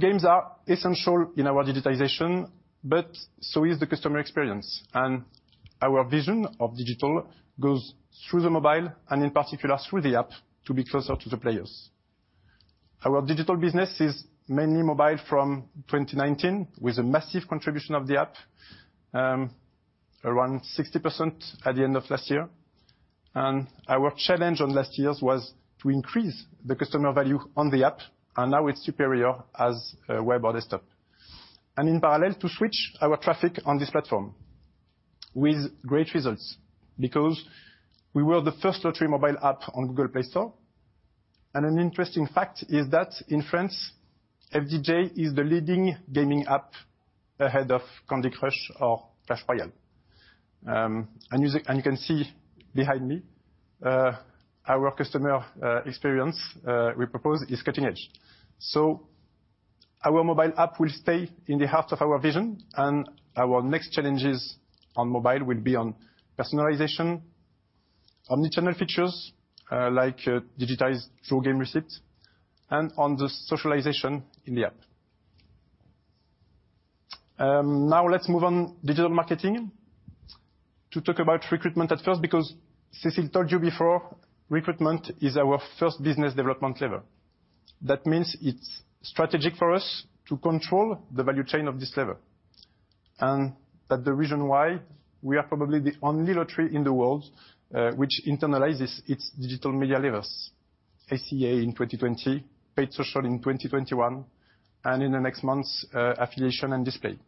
Games are essential in our digitization, but so is the customer experience. Our vision of digital goes through the mobile and, in particular, through the app to be closer to the players. Our digital business is mainly mobile from 2019, with a massive contribution of the app, around 60% at the end of last year. Our challenge on last year's was to increase the customer value on the app, and now it's superior as web or desktop. In parallel, to switch our traffic on this platform with great results because we were the first lottery mobile app on Google Play Store. An interesting fact is that in France, FDJ is the leading gaming app ahead of Candy Crush or Clash Royale. You can see behind me our customer experience we propose is cutting edge. Our mobile app will stay in the heart of our vision, and our next challenges on mobile will be on personalization, omni-channel features, like digitized draw game receipts, and on the socialization in the app. Now let's move on digital marketing to talk about recruitment at first because Cécile told you before, recruitment is our first business development lever. That means it's strategic for us to control the value chain of this lever. That the reason why we are probably the only lottery in the world which internalizes its digital media levers, SEA in 2020, paid social in 2021, and in the next months, affiliation and display.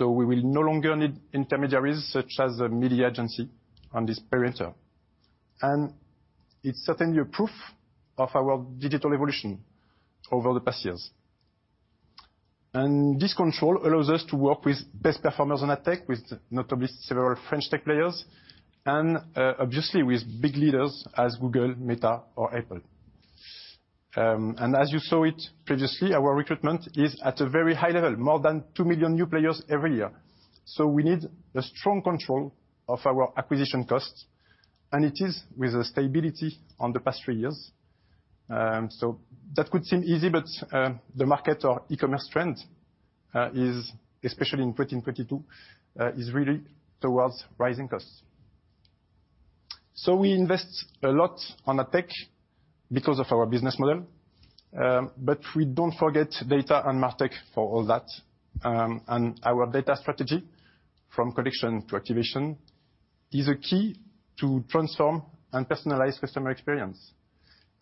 We will no longer need intermediaries such as a media agency on this parameter. It's certainly a proof of our digital evolution over the past years. This control allows us to work with best performers on tech, with notably several French tech players, and obviously with big leaders as Google, Meta or Apple. As you saw it previously, our recruitment is at a very high level, more than 2 million new players every year. We need a strong control of our acquisition costs, and it is with a stability on the past three years. That could seem easy, but the market or e-commerce trend, especially in 2022, is really towards rising costs. We invest a lot on a tech because of our business model, but we don't forget data and MarTech for all that. Our data strategy from connection to activation is a key to transform and personalize customer experience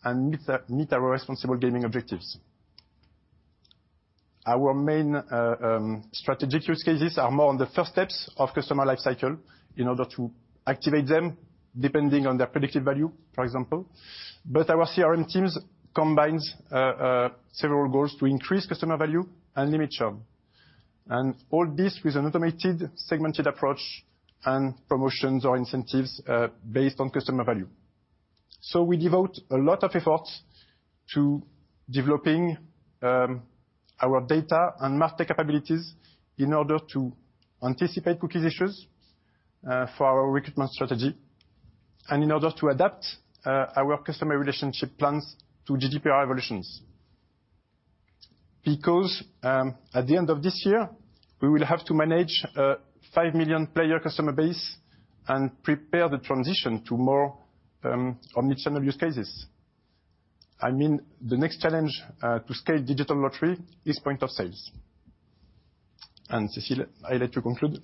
and meet our responsible gaming objectives. Our main strategic use cases are more on the first steps of customer life cycle in order to activate them depending on their predictive value, for example. Our CRM teams combines several goals to increase customer value and limit churn. All this with an automated segmented approach and promotions or incentives based on customer value. We devote a lot of efforts to developing our data and MarTech capabilities in order to anticipate cookies issues for our recruitment strategy and in order to adapt our customer relationship plans to GDPR evolutions. Because at the end of this year, we will have to manage a 5 million player customer base and prepare the transition to more omni-channel use cases. I mean, the next challenge to scale digital lottery is point of sales. Cécile, I let you conclude.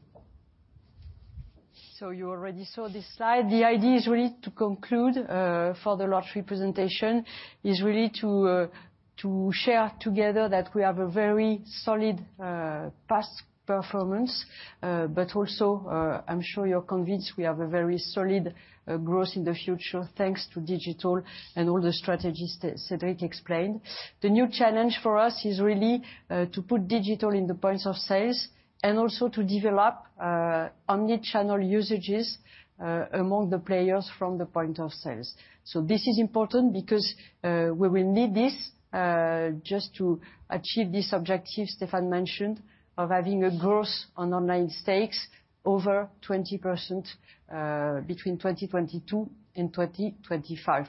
You already saw this slide. The idea is really to conclude for the lottery presentation, is really to share together that we have a very solid past performance. I'm sure you're convinced we have a very solid growth in the future, thanks to digital and all the strategies that Cédric explained. The new challenge for us is really to put digital in the points of sales and also to develop omni-channel usages among the players from the point of sales. This is important because we will need this just to achieve this objective Stéphane mentioned of having a growth on online stakes over 20% between 2022 and 2025.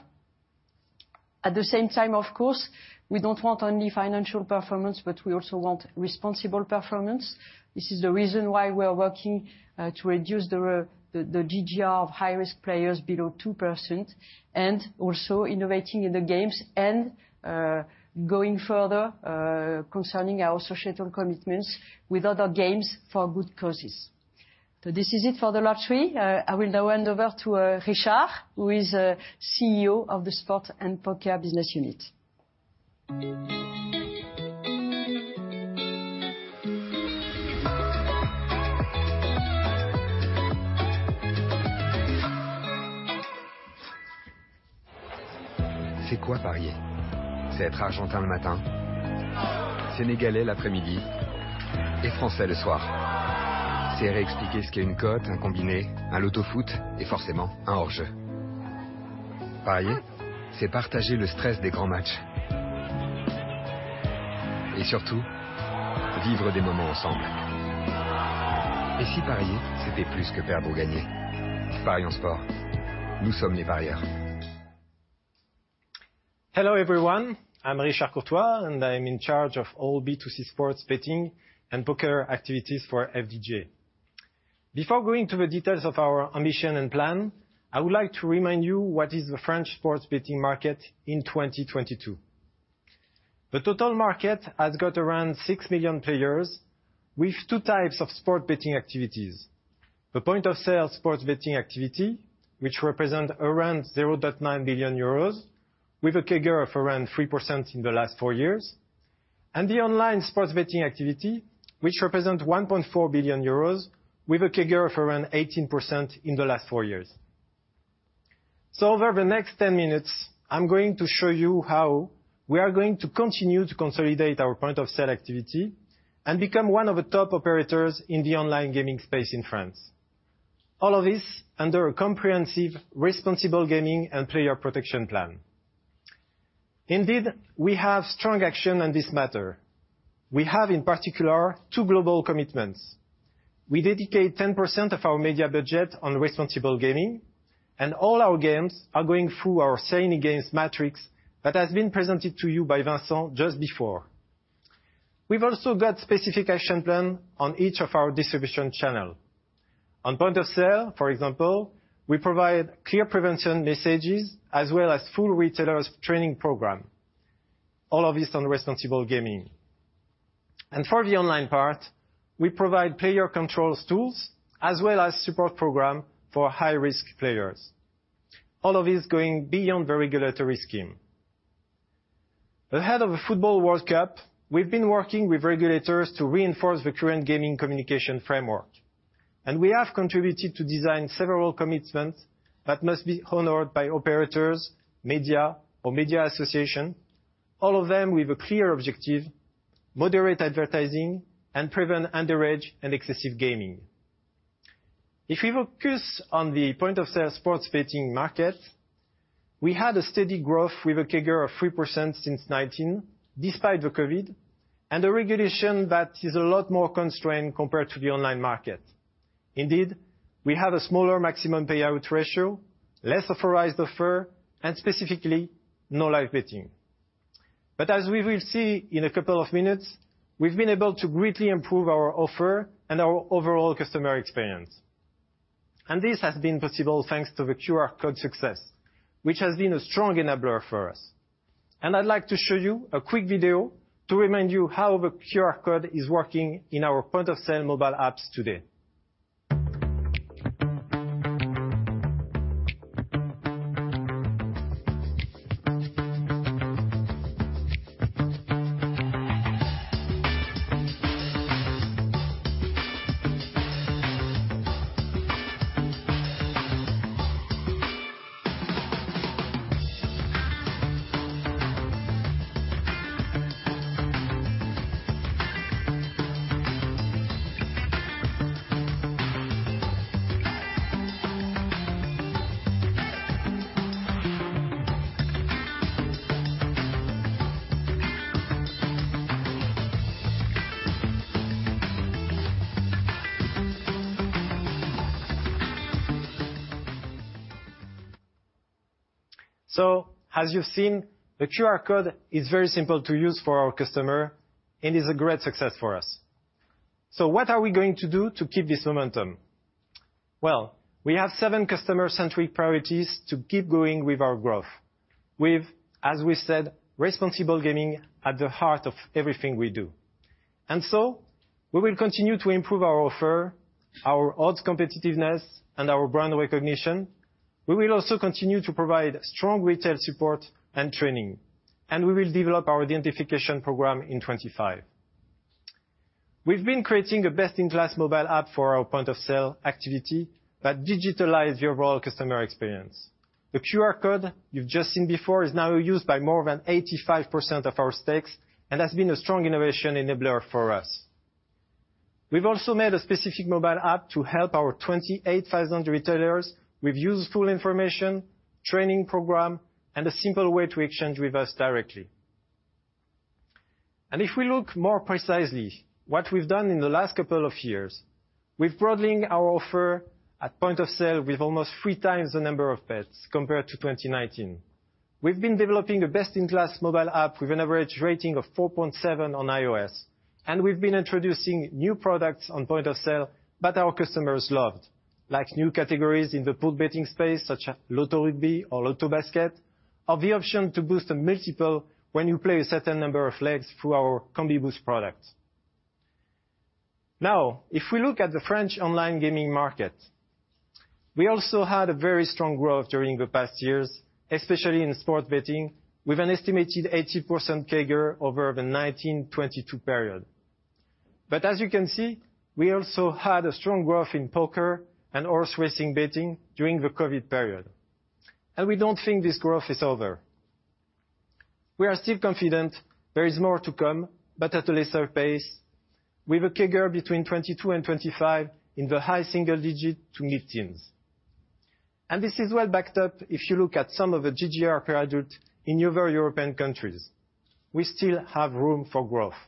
At the same time, of course, we don't want only financial performance, but we also want responsible performance. This is the reason why we are working to reduce the GGR of high-risk players below 2%, and also innovating in the games and going further concerning our societal commitments with other games for good causes. This is it for the lottery. I will now hand over to Richard, who is CEO of the Sport and Poker Business Unit. Hello, everyone. I'm Richard Courtois, and I'm in charge of all B2C sports betting and poker activities for FDJ. Before going to the details of our ambition and plan, I would like to remind you what is the French sports betting market in 2022. The total market has got around 6 million players with two types of sport betting activities. The point of sale sports betting activity, which represent around 0.9 billion euros with a CAGR of around 3% in the last four years. The online sports betting activity, which represent 1.4 billion euros with a CAGR of around 18% in the last four years. Over the next 10 minutes, I'm going to show you how we are going to continue to consolidate our point-of-sale activity and become one of the top operators in the online gaming space in France. All of this under a comprehensive, responsible gaming and player protection plan. Indeed, we have strong action on this matter. We have, in particular, two global commitments. We dedicate 10% of our media budget on responsible gaming, and all our games are going through our Serenigame matrix that has been presented to you by Vincent just before. We've also got specific action plan on each of our distribution channel. On point of sale, for example, we provide clear prevention messages as well as full retailers training program, all of this on responsible gaming. For the online part, we provide player controls, tools, as well as support program for high-risk players. All of this going beyond the regulatory scheme. Ahead of the Football World Cup, we've been working with regulators to reinforce the current gaming communication framework, and we have contributed to design several commitments that must be honored by operators, media or media association, all of them with a clear objective, moderate advertising and prevent underage and excessive gaming. If we focus on the point of sale sports betting market, we had a steady growth with a CAGR of 3% since 2019, despite the COVID and a regulation that is a lot more constrained compared to the online market. Indeed, we have a smaller maximum payout ratio, less authorized offer, and specifically, no live betting. As we will see in a couple of minutes, we've been able to greatly improve our offer and our overall customer experience. This has been possible thanks to the QR code success, which has been a strong enabler for us. I'd like to show you a quick video to remind you how the QR code is working in our point of sale mobile apps today. As you've seen, the QR code is very simple to use for our customer and is a great success for us. What are we going to do to keep this momentum? Well, we have seven customer-centric priorities to keep going with our growth. With, as we said, responsible gaming at the heart of everything we do. We will continue to improve our offer, our odds competitiveness, and our brand recognition. We will also continue to provide strong retail support and training, and we will develop our identification program in 2025. We've been creating a best-in-class mobile app for our point of sale activity that digitalize the overall customer experience. The QR code you've just seen before is now used by more than 85% of our stakes and has been a strong innovation enabler for us. We've also made a specific mobile app to help our 28,000 retailers with useful information, training program, and a simple way to exchange with us directly. If we look more precisely what we've done in the last couple of years, we've broadening our offer at point of sale with almost 3x the number of bets compared to 2019. We've been developing a best-in-class mobile app with an average rating of 4.7 on iOS, and we've been introducing new products on point of sale that our customers loved. Like new categories in the pool betting space, such as Loto Rugby or Loto Basket, or the option to boost a multiple when you play a certain number of legs through our Combi Boosté product. Now, if we look at the French online gaming market, we also had a very strong growth during the past years, especially in sports betting, with an estimated 80% CAGR over the 2019-2022 period. As you can see, we also had a strong growth in Poker and horse racing betting during the COVID period, and we don't think this growth is over. We are still confident there is more to come, but at a lesser pace, with a CAGR between 2022 and 2025 in the high single digit to mid-teens. This is well backed up if you look at some of the GGR per adult in other European countries. We still have room for growth.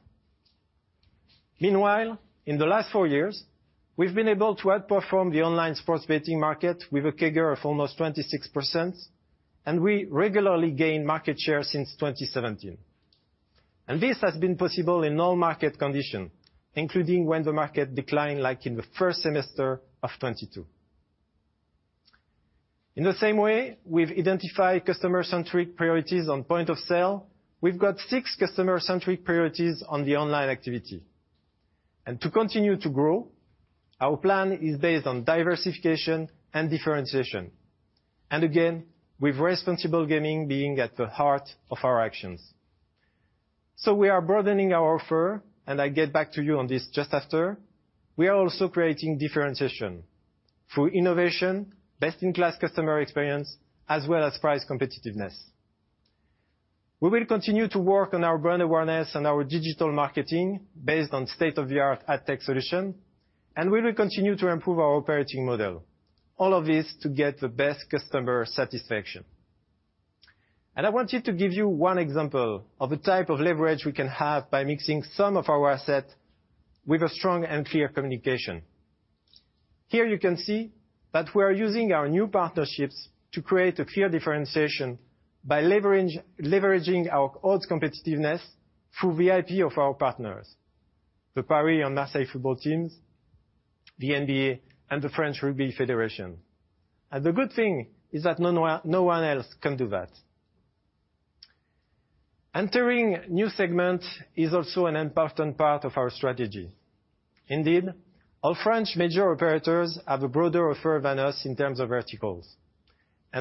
Meanwhile, in the last four years, we've been able to outperform the online sports betting market with a CAGR of almost 26%, and we regularly gain market share since 2017. This has been possible in all market condition, including when the market declined, like in the first semester of 2022. In the same way we've identified customer-centric priorities on point of sale, we've got six customer-centric priorities on the online activity. To continue to grow, our plan is based on diversification and differentiation, and again, with responsible gaming being at the heart of our actions. We are broadening our offer, and I get back to you on this just after. We are also creating differentiation through innovation, best-in-class customer experience, as well as price competitiveness. We will continue to work on our brand awareness and our digital marketing based on state-of-the-art ad tech solution, and we will continue to improve our operating model. All of this to get the best customer satisfaction. I wanted to give you one example of a type of leverage we can have by mixing some of our asset with a strong and clear communication. Here you can see that we are using our new partnerships to create a clear differentiation by leveraging our odds competitiveness through VIP of our partners, the Paris and Marseille football teams, the NBA, and the French Rugby Federation. The good thing is that no one else can do that. Entering new segments is also an important part of our strategy. Indeed, our French major operators have a broader offer than us in terms of verticals.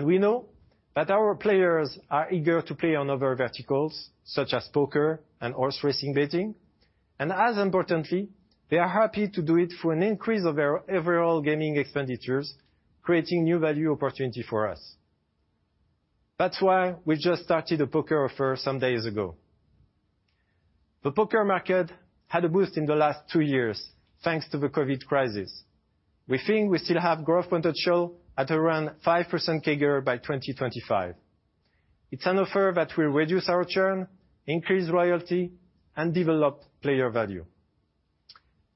We know that our players are eager to play on other verticals, such as poker and horse racing betting. As importantly, they are happy to do it for an increase of their overall gaming expenditures, creating new value opportunity for us. That's why we just started a poker offer some days ago. The poker market had a boost in the last two years thanks to the COVID crisis. We think we still have growth potential at around 5% CAGR by 2025. It's an offer that will reduce our churn, increase loyalty, and develop player value.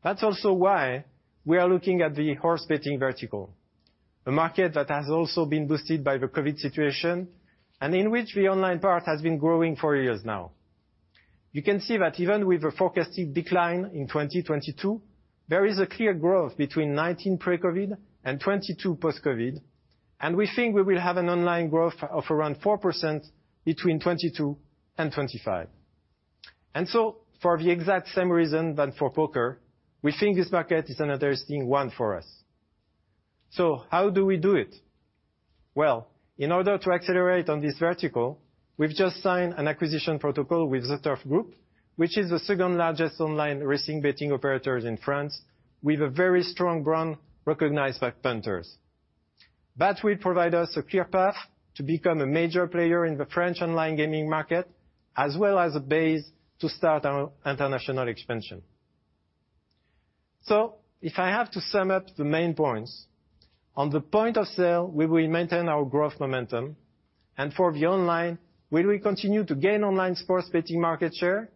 That's also why we are looking at the horse betting vertical, a market that has also been boosted by the COVID situation, and in which the online part has been growing for years now. You can see that even with the forecasted decline in 2022, there is a clear growth between 2019 pre-COVID and 2022 post-COVID, and we think we will have an online growth of around 4% between 2022 and 2025. For the exact same reason than for Poker, we think this market is an interesting one for us. How do we do it? Well, in order to accelerate on this vertical, we've just signed an acquisition protocol with ZEturf Group, which is the second-largest online racing betting operators in France with a very strong brand recognized by punters. That will provide us a clear path to become a major player in the French online gaming market, as well as a base to start our international expansion. If I have to sum up the main points, on the point of sale we will maintain our growth momentum. For the online, we will continue to gain online sports betting market share,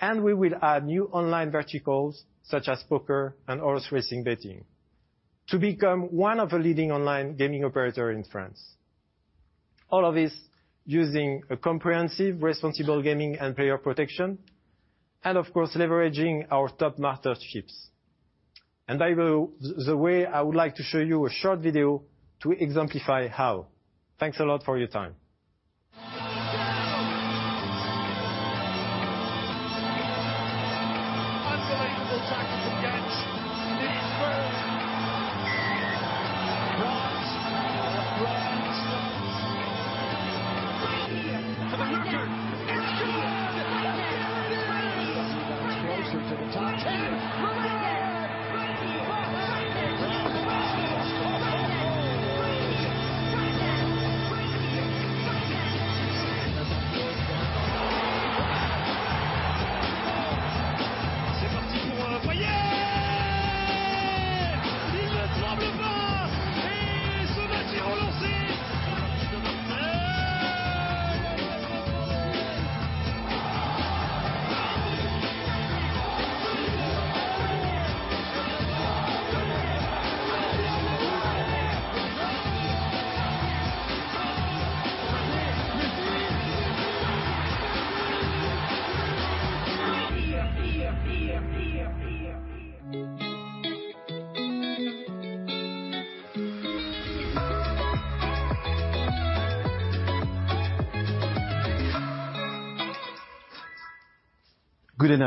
and we will add new online verticals such as Poker and horse racing betting to become one of the leading online gaming operator in France. All of this using a comprehensive responsible gaming and player protection, and of course, leveraging our top partnerships. I would like to show you a short video to exemplify how. Thanks a lot for your time.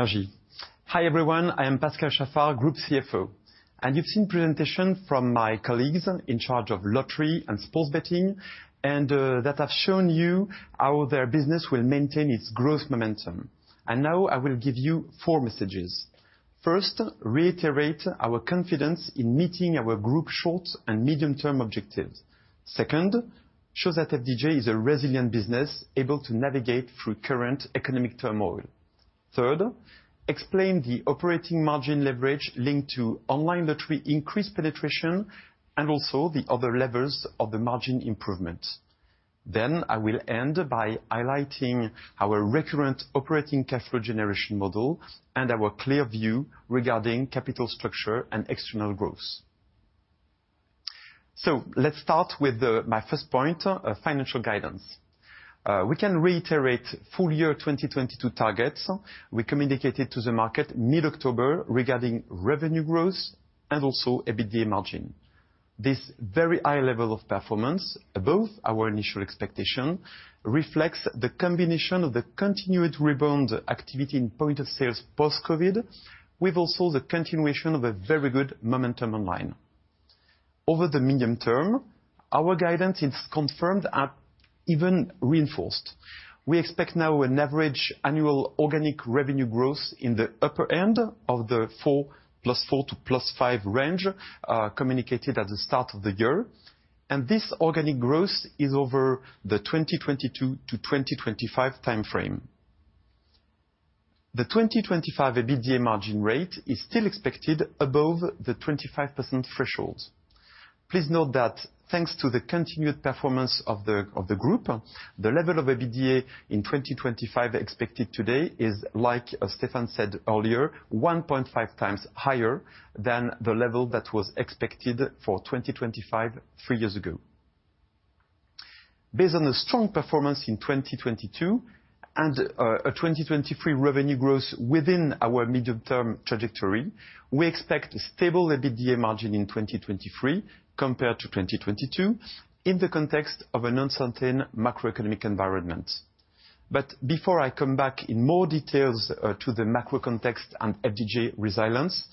Unbelievable track from Gaël. He's first. Ross. Ross. To the hooker. It's 2-1. There it is. Closer to the top 10. Right there. Right here. Right there. Oh. Right there. Right here. Right there. Good energy. Hi, everyone, I am Pascal Chaffard, Group CFO. You've seen presentation from my colleagues in charge of lottery and sports betting, and that I've shown you how their business will maintain its growth momentum. Now I will give you four messages. First, reiterate our confidence in meeting our Group short- and medium-term objectives. Second, show that FDJ is a resilient business able to navigate through current economic turmoil. Third, explain the operating margin leverage linked to online lottery increased penetration and also the other levers of the margin improvement. I will end by highlighting our recurrent operating cash flow generation model and our clear view regarding capital structure and external growth. Let's start with my first point, financial guidance. We can reiterate full-year 2022 targets we communicated to the market mid-October regarding revenue growth and also EBITDA margin. This very high level of performance above our initial expectation reflects the combination of the continued rebound activity in point of sales post-COVID with also the continuation of a very good momentum online. Over the medium term, our guidance is confirmed and even reinforced. We expect now an average annual organic revenue growth in the upper end of the +4%-+5% range communicated at the start of the year. This organic growth is over the 2022-2025 time frame. The 2025 EBITDA margin rate is still expected above the 25% threshold. Please note that thanks to the continued performance of the, of the group, the level of EBITDA in 2025 expected today is like, as Stéphane said earlier, one point 5x higher than the level that was expected for 2025, three years ago. Based on the strong performance in 2022 and, uh, a 2023 revenue growth within our medium term trajectory, we expect a stable EBITDA margin in 2023 compared to 2022 in the context of an uncertain macroeconomic environment. But before I come back in more details, uh, to the macro context and FDJ resilience,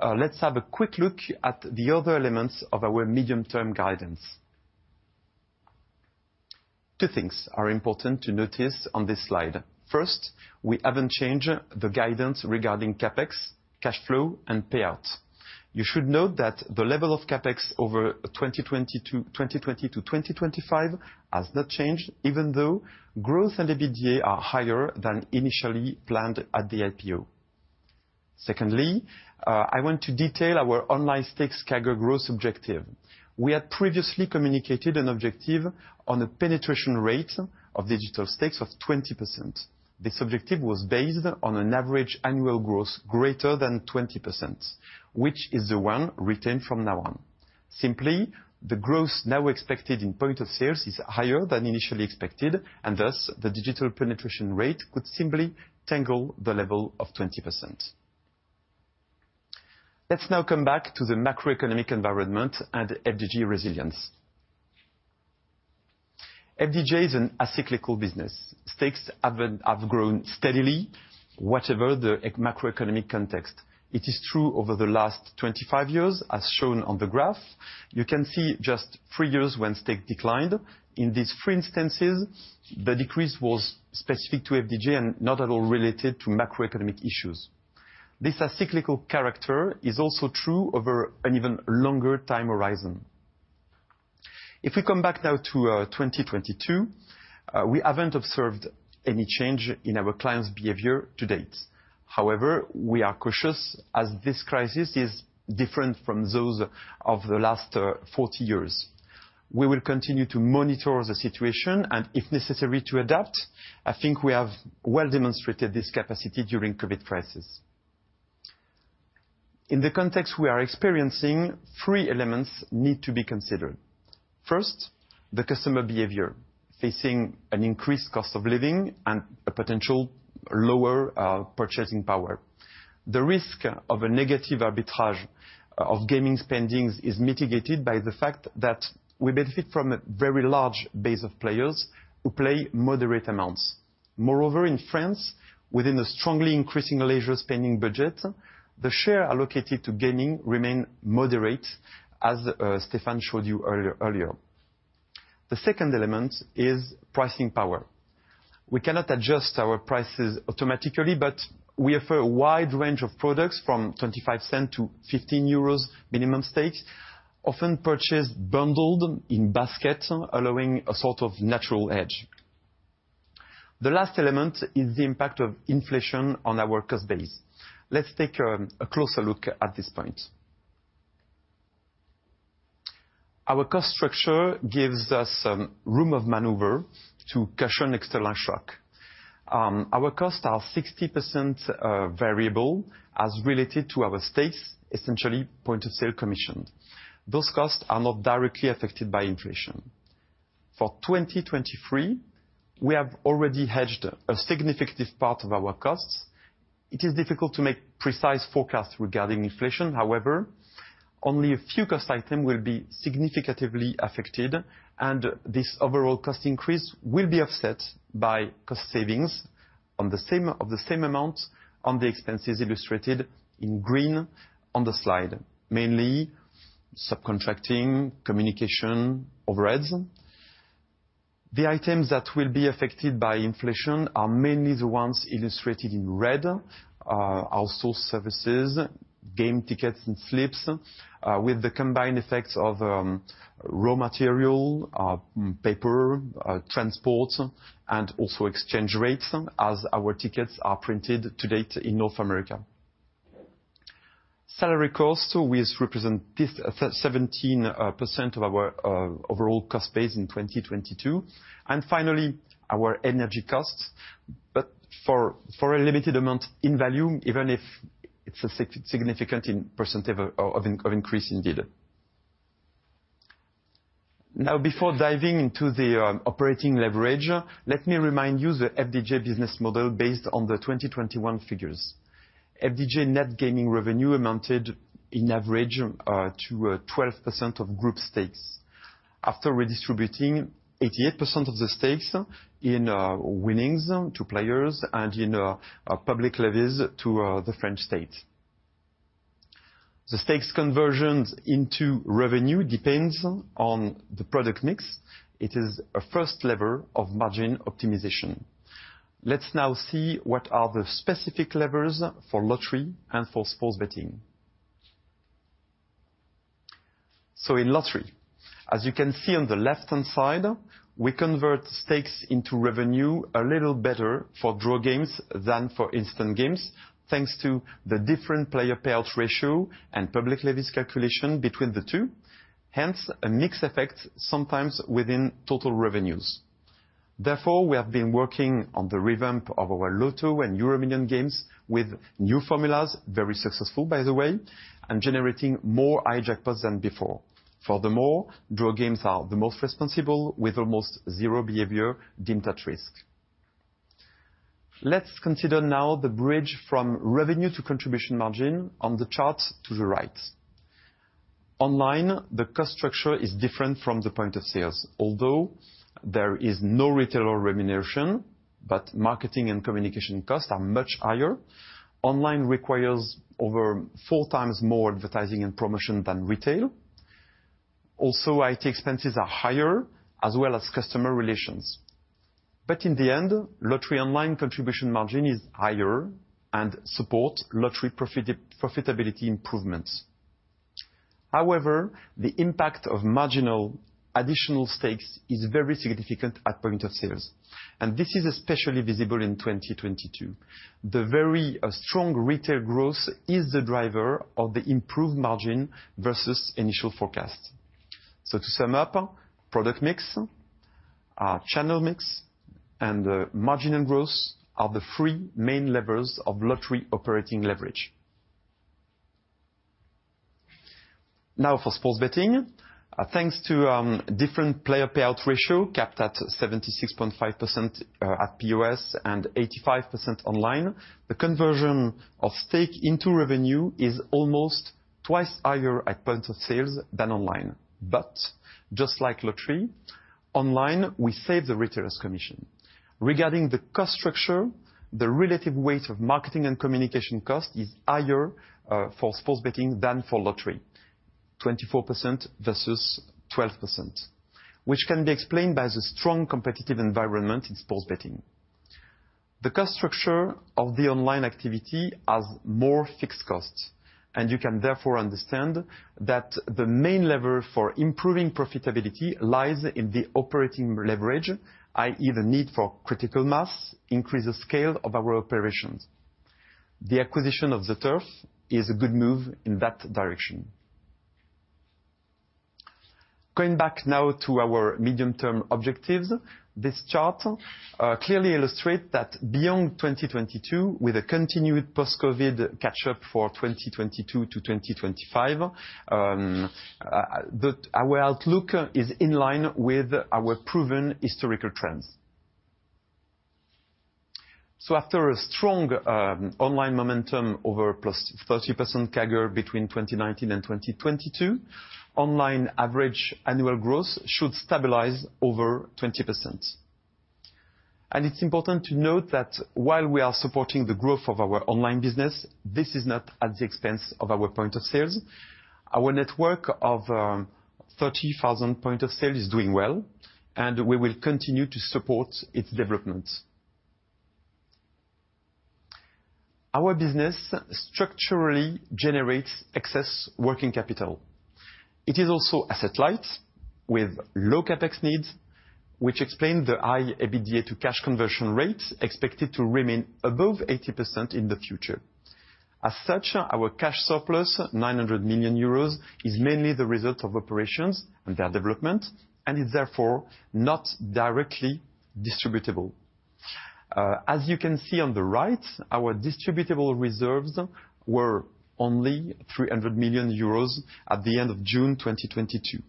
uh, let's have a quick look at the other elements of our medium-term guidance. Two things are important to notice on this slide. First, we haven't changed the guidance regarding CapEx, cash flow, and payout. You should note that the level of CapEx over 2020-2025 has not changed, even though growth and EBITDA are higher than initially planned at the IPO. Secondly, I want to detail our online stakes CAGR growth objective. We had previously communicated an objective on the penetration rate of digital stakes of 20%. This objective was based on an average annual growth greater than 20%, which is the one retained from now on. Simply, the growth now expected in point of sales is higher than initially expected, and thus the digital penetration rate could simply target the level of 20%. Let's now come back to the macroeconomic environment and FDJ resilience. FDJ is an acyclical business. Stakes have grown steadily whatever the macroeconomic context. It is true over the last 25 years, as shown on the graph. You can see just three years when stake declined. In these three instances, the decrease was specific to FDJ and not at all related to macroeconomic issues. This cyclical character is also true over an even longer time horizon. If we come back now to 2022, we haven't observed any change in our clients' behavior to date. However, we are cautious as this crisis is different from those of the last 40 years. We will continue to monitor the situation and if necessary to adapt. I think we have well demonstrated this capacity during COVID crisis. In the context we are experiencing, three elements need to be considered. First, the customer behavior. Facing an increased cost of living and a potential lower purchasing power. The risk of a negative arbitrage of gaming spendings is mitigated by the fact that we benefit from a very large base of players who play moderate amounts. Moreover, in France, within a strongly increasing leisure spending budget, the share allocated to gaming remain moderate, as Stéphane Pallez showed you earlier. The second element is pricing power. We cannot adjust our prices automatically, but we offer a wide range of products from 0.25-15 euros minimum stakes, often purchased bundled in basket, allowing a sort of natural edge. The last element is the impact of inflation on our cost base. Let's take a closer look at this point. Our cost structure gives us room of maneuver to cushion external shock. Our costs are 60% variable as related to our stakes, essentially point of sale commission. Those costs are not directly affected by inflation. For 2023, we have already hedged a significant part of our costs. It is difficult to make precise forecasts regarding inflation, however, only a few cost item will be significantly affected, and this overall cost increase will be offset by cost savings of the same amount on the expenses illustrated in green on the slide. Mainly subcontracting, communication, overheads. The items that will be affected by inflation are mainly the ones illustrated in red. Outsource services, game tickets and slips with the combined effects of raw material, paper, transport, and also exchange rates as our tickets are printed to date in North America. Salary costs will represent 17% of our overall cost base in 2022. Finally, our energy costs, but for a limited amount in value, even if it's a significant in percentage of increase indeed. Now, before diving into the operating leverage, let me remind you the FDJ business model based on the 2021 figures. FDJ net gaming revenue amounted in average to 12% of group stakes. After redistributing 88% of the stakes in winnings to players and in public levies to the French state. The stakes conversions into revenue depends on the product mix. It is a first level of margin optimization. Let's now see what are the specific levers for lottery and for sports betting. In lottery, as you can see on the left-hand side, we convert stakes into revenue a little better for draw games than for instant games, thanks to the different player payout ratio and public levies calculation between the two, hence a mixed effect sometimes within total revenues. Therefore, we have been working on the revamp of our Loto and EuroMillions games with new formulas, very successful by the way, and generating more high jackpots than before. Furthermore, draw games are the most responsible with almost zero behavior deemed at risk. Let's consider now the bridge from revenue to contribution margin on the chart to the right. Online, the cost structure is different from the point of sales. Although there is no retailer remuneration, but marketing and communication costs are much higher. Online requires over 4x more advertising and promotion than retail. Also, I.T. expenses are higher as well as customer relations. In the end, lottery online contribution margin is higher and supports lottery profitability improvements. However, the impact of marginal additional stakes is very significant at point of sales, and this is especially visible in 2022. The very strong retail growth is the driver of the improved margin versus initial forecast. To sum up, product mix, channel mix, and margin and growth are the three main levers of lottery operating leverage. Now for sports betting. Thanks to different player payout ratio capped at 76.5% at POS and 85% online, the conversion of stake into revenue is almost twice higher at point of sales than online. Just like lottery, online, we save the retailer's commission. Regarding the cost structure, the relative weight of marketing and communication cost is higher for sports betting than for lottery, 24% versus 12%, which can be explained by the strong competitive environment in sports betting. The cost structure of the online activity has more fixed costs, and you can therefore understand that the main lever for improving profitability lies in the operating leverage, i.e. the need for critical mass increase the scale of our operations. The acquisition of ZEturf is a good move in that direction. Going back now to our medium-term objectives, this chart clearly illustrate that beyond 2022, with a continued post-COVID catch-up for 2022-2025, our outlook is in line with our proven historical trends. After a strong online momentum over +30% CAGR between 2019 and 2022, online average annual growth should stabilize over 20%. It's important to note that while we are supporting the growth of our online business, this is not at the expense of our point of sales. Our network of 30,000 point of sale is doing well, and we will continue to support its development. Our business structurally generates excess working capital. It is also asset light with low CapEx needs, which explain the high EBITDA to cash conversion rate expected to remain above 80% in the future. As such, our cash surplus, 900 million euros, is mainly the result of operations and their development and is therefore not directly distributable. As you can see on the right, our distributable reserves were only 300 million euros at the end of June 2022.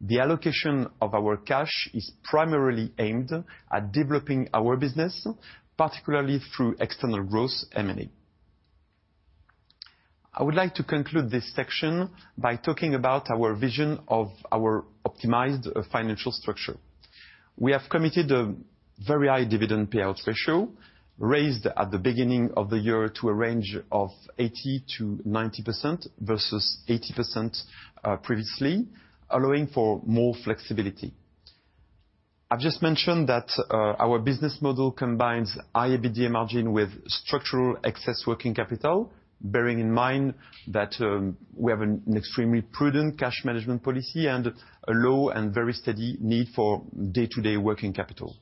The allocation of our cash is primarily aimed at developing our business, particularly through external growth M&A. I would like to conclude this section by talking about our vision of our optimized financial structure. We have committed a very high dividend payout ratio raised at the beginning of the year to a range of 80%-90% versus 80% previously, allowing for more flexibility. I've just mentioned that our business model combines high EBITDA margin with structural excess working capital, bearing in mind that we have an extremely prudent cash management policy and a low and very steady need for day-to-day working capital.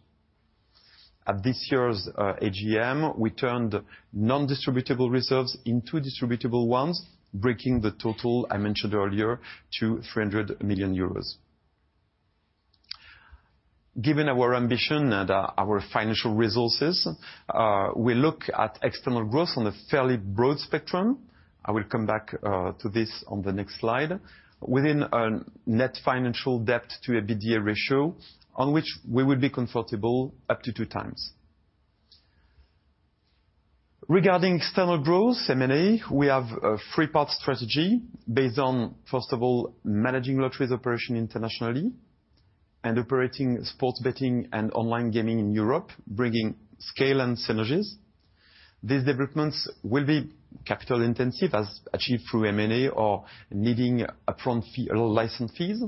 At this year's AGM, we turned nondistributable reserves into distributable ones, breaking the total I mentioned earlier to 300 million euros. Given our ambition and our financial resources, we look at external growth on a fairly broad spectrum. I will come back to this on the next slide. Within a net financial debt to EBITDA ratio on which we would be comfortable up to 2x. Regarding external growth, M&A, we have a three parts strategy based on, first of all, managing lottery's operation internationally and operating sports betting and online gaming in Europe, bringing scale and synergies. These developments will be capital intensive as achieved through M&A or needing upfront fee or license fees.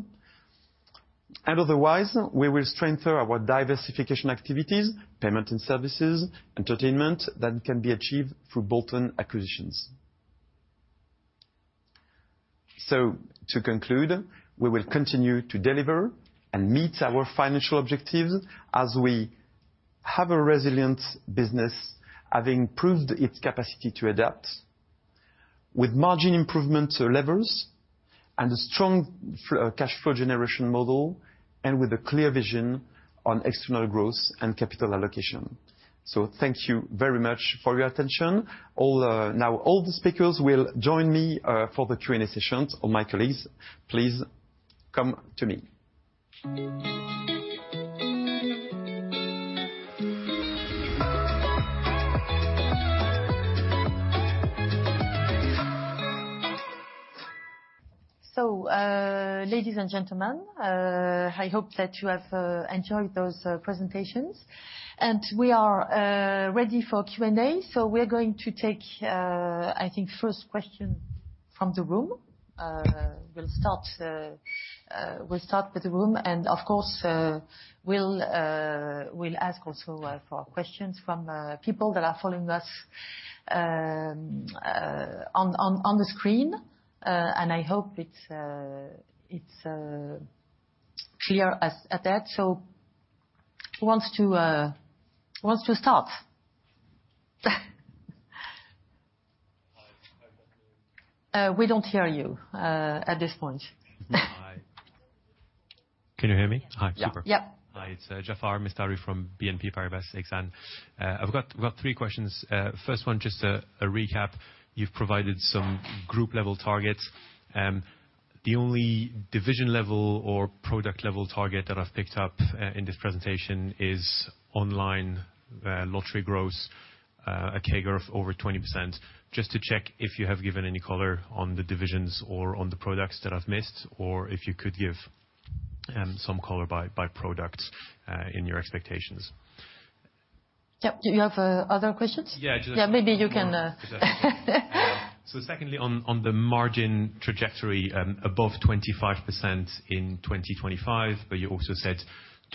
Otherwise, we will strengthen our diversification activities, payment and services, entertainment that can be achieved through bolt-on acquisitions. To conclude, we will continue to deliver and meet our financial objectives as we have a resilient business, having proved its capacity to adapt with margin improvement levels and a strong cash flow generation model and with a clear vision on external growth and capital allocation. Thank you very much for your attention. Now all the speakers will join me for the Q&A session. All my colleagues, please come to me. Ladies and gentlemen, I hope that you have enjoyed those presentations. We are ready for Q&A. We're going to take, I think first question from the room. We'll start with the room and of course, we'll ask also for questions from people that are following us on the screen. I hope it's clear as that. Who wants to start? Hi, good afternoon. We don't hear you at this point. Hi. Can you hear me? Yeah. Hi. Super. Yeah. Hi. It's Jaafar Mestari from BNP Paribas Exane. I've got three questions. First one, just a recap. You've provided some group-level targets. The only division-level or product-level target that I've picked up in this presentation is online lottery growth, a CAGR of over 20%. Just to check if you have given any color on the divisions or on the products that I've missed, or if you could give some color by product in your expectations. Yep. Do you have other questions? Yeah, just. Yeah, maybe you can. Secondly, on the margin trajectory, above 25% in 2025, but you also said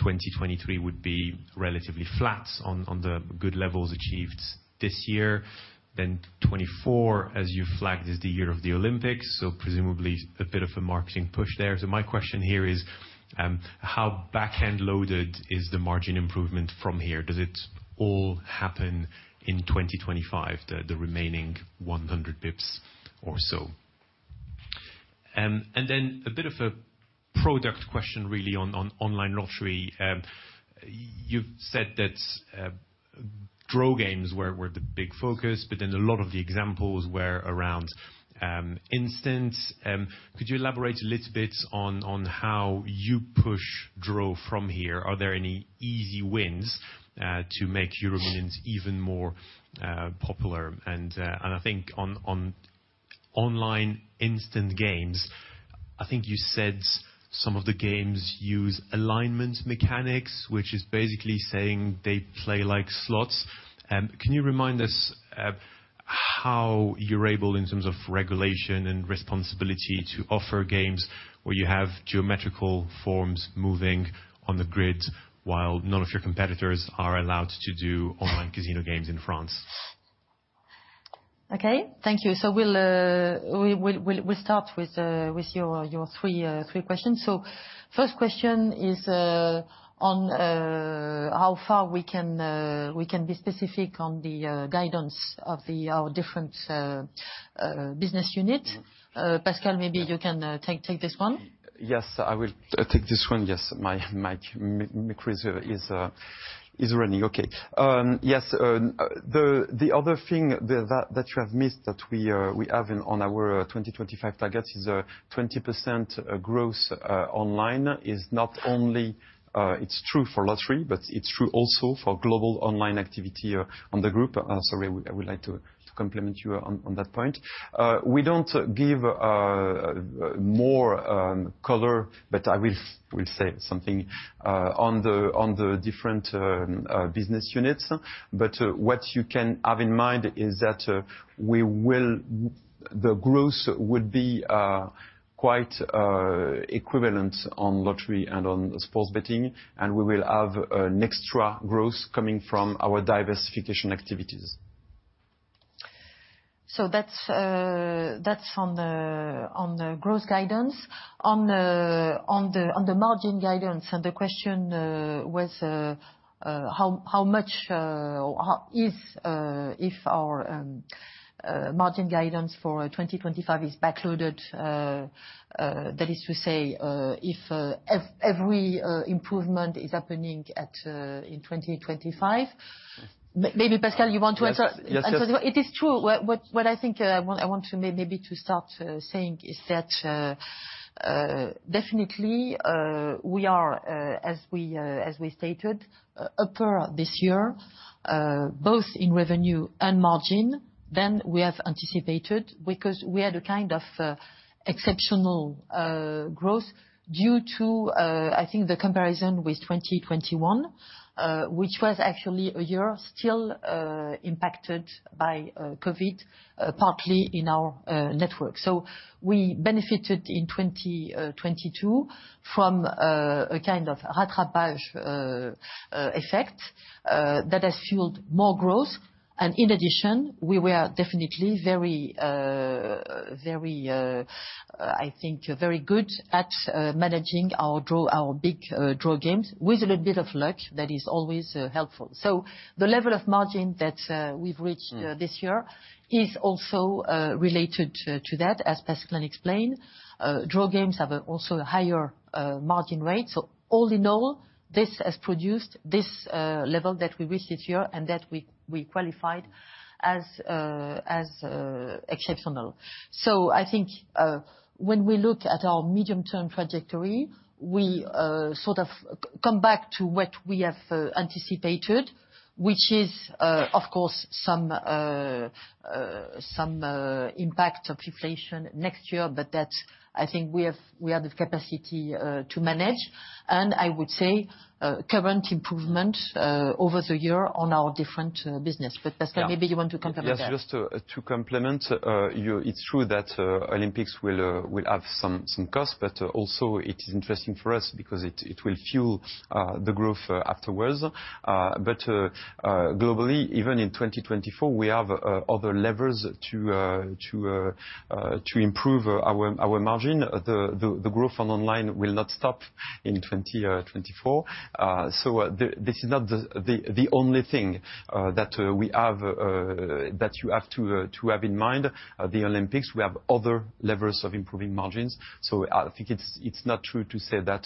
2023 would be relatively flat on the good levels achieved this year. 2024, as you flagged, is the year of the Olympics, so presumably a bit of a marketing push there. My question here is how back-end loaded is the margin improvement from here? Does it all happen in 2025, the remaining 100 basis points or so? A bit of a product question really on online lottery. You've said that draw games were the big focus. A lot of the examples were around instants. Could you elaborate a little bit on how you push draw from here? Are there any easy wins to make EuroMillions even more popular? I think on online instant games, I think you said some of the games use alignment mechanics, which is basically saying they play like slots. Can you remind us how you're able, in terms of regulation and responsibility, to offer games where you have geometrical forms moving on the grid while none of your competitors are allowed to do online casino games in France? Okay, thank you. We will start with your three questions. First question is on how far we can be specific on the guidance of our different business unit. Pascal, maybe you can take this one. Yes, I will take this one. Yes. My mic is running. Okay. Yes. The other thing that you have missed that we have on our 2025 targets is 20% growth online is not only it's true for lottery, but it's true also for global online activity on the Group. Sorry, I would like to compliment you on that point. We don't give more color, but I will say something on the different business units. What you can have in mind is that the growth will be quite equivalent on lottery and on sports betting, and we will have an extra growth coming from our diversification activities. That's on the growth guidance. On the margin guidance and the question was how much or if our margin guidance for 2025 is backloaded, that is to say if every improvement is happening in 2025. Maybe Pascal, you want to answer? Yes. It is true. What I think I want to maybe to start saying is that definitely we are, as we stated, higher this year both in revenue and margin than we have anticipated because we had a kind of exceptional growth due to, I think, the comparison with 2021, which was actually a year still impacted by COVID partly in our network. We benefited in 2022 from a kind of rattrapage effect that has fueled more growth. In addition, we were definitely, I think, very good at managing our big draw games with a little bit of luck that is always helpful. The level of margin that we've reached this year is also related to that, as Pascal can explain. Draw games have also a higher margin rate. All in all, this has produced this level that we reached this year and that we qualified as exceptional. I think when we look at our medium-term trajectory, we sort of come back to what we have anticipated, which is, of course, some impact of inflation next year, but that I think we have the capacity to manage, and I would say current improvement over the year on our different business. Pascal, maybe you want to comment on that. Yes, just to complement you, it's true that Olympics will have some costs, but also it is interesting for us because it will fuel the growth afterwards. Globally, even in 2024, we have other levers to improve our margin. The growth on online will not stop in 2024. This is not the only thing that you have to have in mind, the Olympics. We have other levers of improving margins. I think it's not true to say that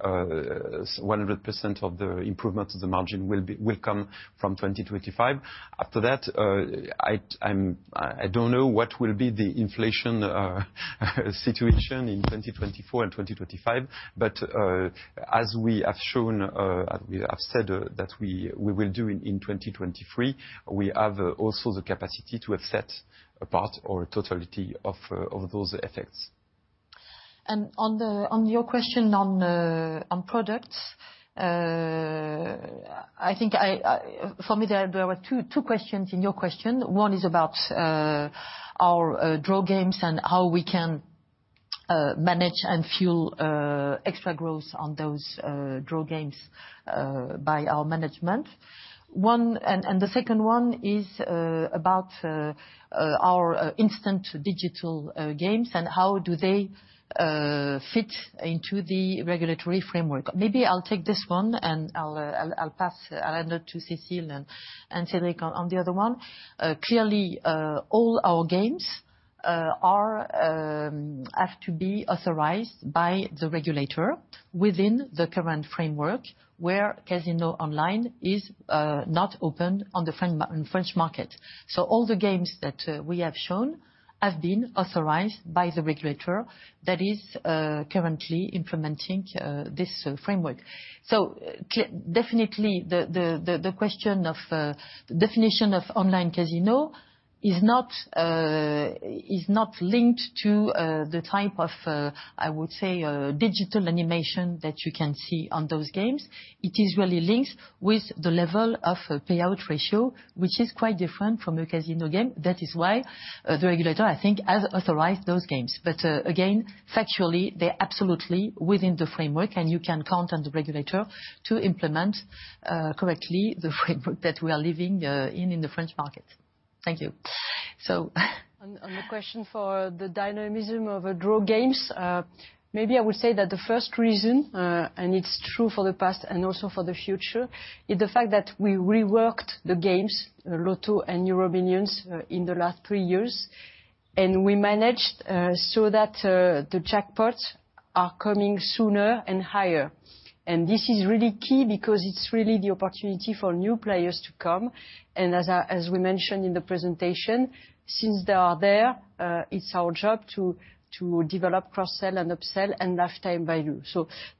100% of the improvement of the margin will come from 2025. After that, I don't know what will be the inflation situation in 2024 and 2025. As we have shown, we have said that we will do in 2023, we have also the capacity to offset a part or totality of those effects. On your question on products, I think for me, there were two questions in your question. One is about our draw games and how we can manage and fuel extra growth on those draw games by our management. The second one is about our instant digital games and how do they fit into the regulatory framework. Maybe I'll take this one and I'll pass another to Cécile and Cédric on the other one. Clearly, all our games have to be authorized by the regulator within the current framework where casino online is not open on the French market. All the games that we have shown have been authorized by the regulator that is currently implementing this framework. Definitely the question of definition of online casino is not linked to the type of, I would say, digital animation that you can see on those games. It is really linked with the level of payout ratio, which is quite different from a casino game. That is why the regulator, I think, has authorized those games. Again, factually, they're absolutely within the framework and you can count on the regulator to implement correctly the framework that we are living in the French market. Thank you. On the question for the dynamism of draw games, maybe I would say that the first reason, and it's true for the past and also for the future, is the fact that we reworked the games, Loto and EuroMillions, in the last three years. We managed so that the jackpots are coming sooner and higher. This is really key because it's really the opportunity for new players to come. As we mentioned in the presentation, since they are there, it's our job to develop cross-sell and upsell and lifetime value.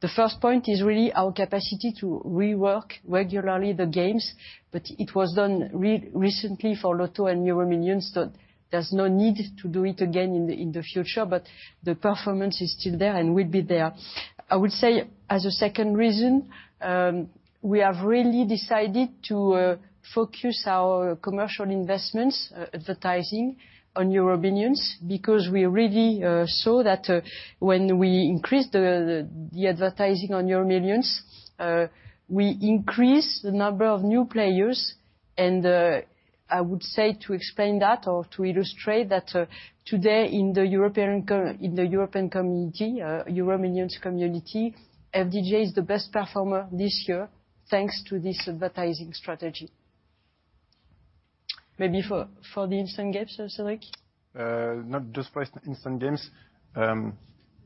The first point is really our capacity to rework regularly the games. It was done recently for Loto and EuroMillions, so there's no need to do it again in the future. The performance is still there and will be there. I would say as a second reason, we have really decided to focus our commercial investments, advertising on EuroMillions because we really saw that when we increased the advertising on EuroMillions, we increased the number of new players. I would say to explain that or to illustrate that, today in the European community, EuroMillions community, FDJ is the best performer this year, thanks to this advertising strategy. Maybe for the instant games, Cédric? Not just for instant games.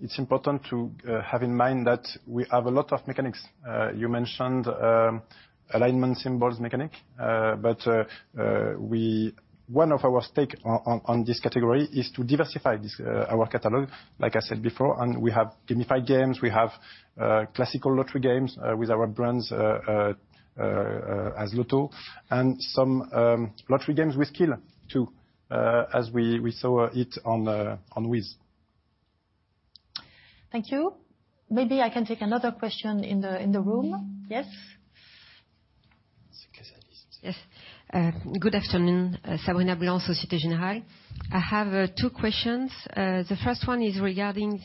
It's important to have in mind that we have a lot of mechanics. You mentioned alignment symbols mechanic. One of our stake on this category is to diversify our catalog, like I said before. We have gamified games. We have classical lottery games with our brands as Loto. Some lottery games with skill too, as we saw it on WIZZ. Thank you. Maybe I can take another question in the room. Yes? Yes. Good afternoon. Sabrina Blanc, Société Générale. I have two questions. The first one is regarding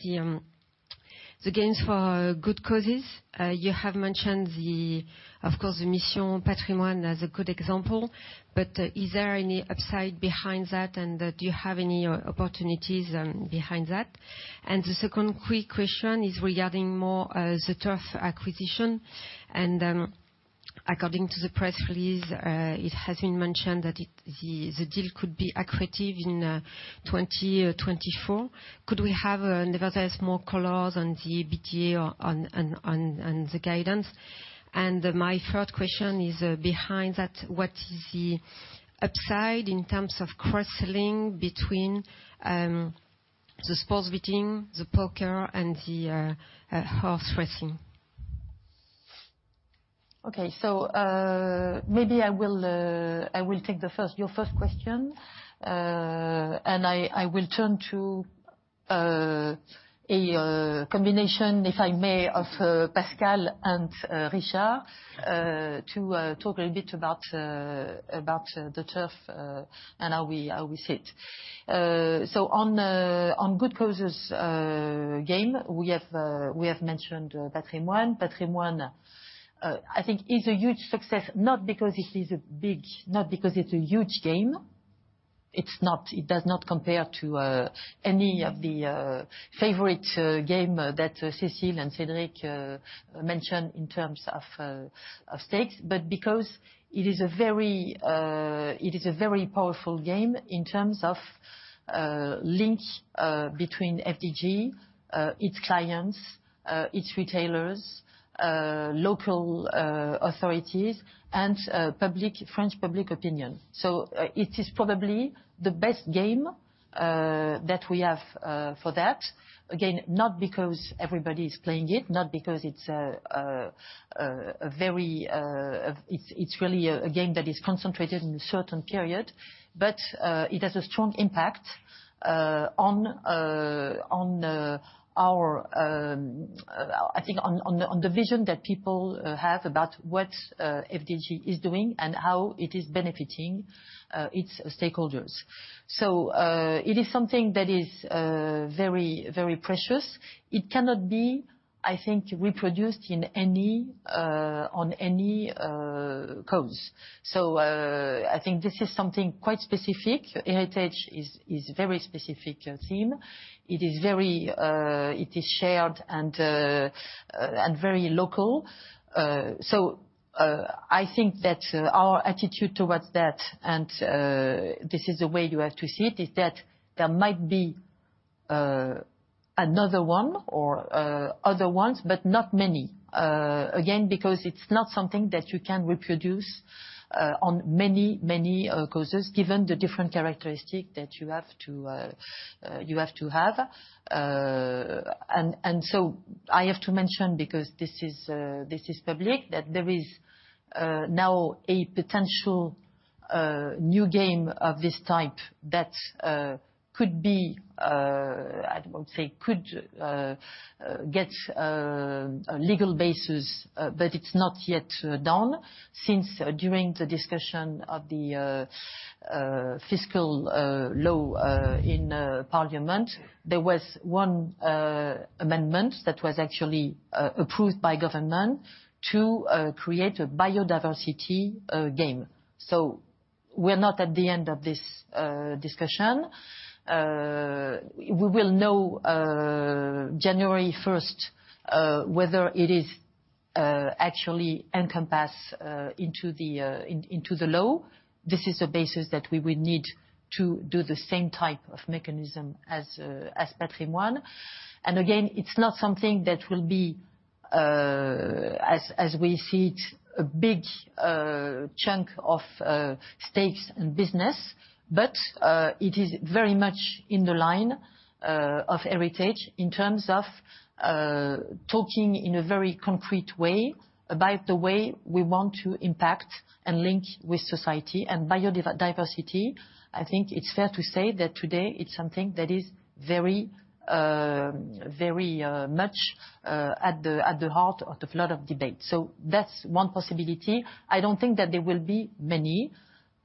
the games for good causes. You have mentioned, of course, the Mission Patrimoine as a good example. Is there any upside behind that, and do you have any opportunities behind that? The second quick question is regarding more the turf acquisition. According to the press release, it has been mentioned that the deal could be accretive in 2024. Could we have nevertheless more colors on the EBITDA on the guidance? My third question is, behind that, what is the upside in terms of cross-selling between the sports betting, the Poker and the horse racing? Maybe I will take your first question. I will turn to a combination, if I may, of Pascal and Richard to talk a little bit about the turf and how we see it. On good causes game, we have mentioned Patrimoine. Patrimoine, I think, is a huge success, not because it's a huge game. It's not. It does not compare to any of the favorite game that Cécile and Cédric mentioned in terms of stakes. Because it is a very powerful game in terms of link between FDJ, its clients, its retailers, local authorities and French public opinion. It is probably the best game that we have for that. Again, not because everybody is playing it, not because it's really a game that is concentrated in a certain period. It has a strong impact on, I think, on the vision that people have about what FDJ is doing and how it is benefiting its stakeholders. It is something that is very, very precious. It cannot be, I think, reproduced on any cause. I think this is something quite specific. Heritage is a very specific theme. It is very shared and very local. I think that our attitude towards that, and this is the way you have to see it, is that there might be another one or other ones, but not many. Again, because it's not something that you can reproduce on many causes given the different characteristic that you have to have. I have to mention, because this is public, that there is now a potential new game of this type that I would say could get a legal basis, but it's not yet done. During the discussion of the fiscal law in parliament, there was one amendment that was actually approved by government to create a biodiversity game. We're not at the end of this discussion. We will know January first whether it is actually encompass into the law. This is a basis that we will need to do the same type of mechanism as Patrimoine. Again, it's not something that will be as we see it a big chunk of stakes and business. It is very much in the line of heritage in terms of talking in a very concrete way about the way we want to impact and link with society and biodiversity. I think it's fair to say that today it's something that is very much at the heart of the lot of debate. That's one possibility. I don't think that there will be many.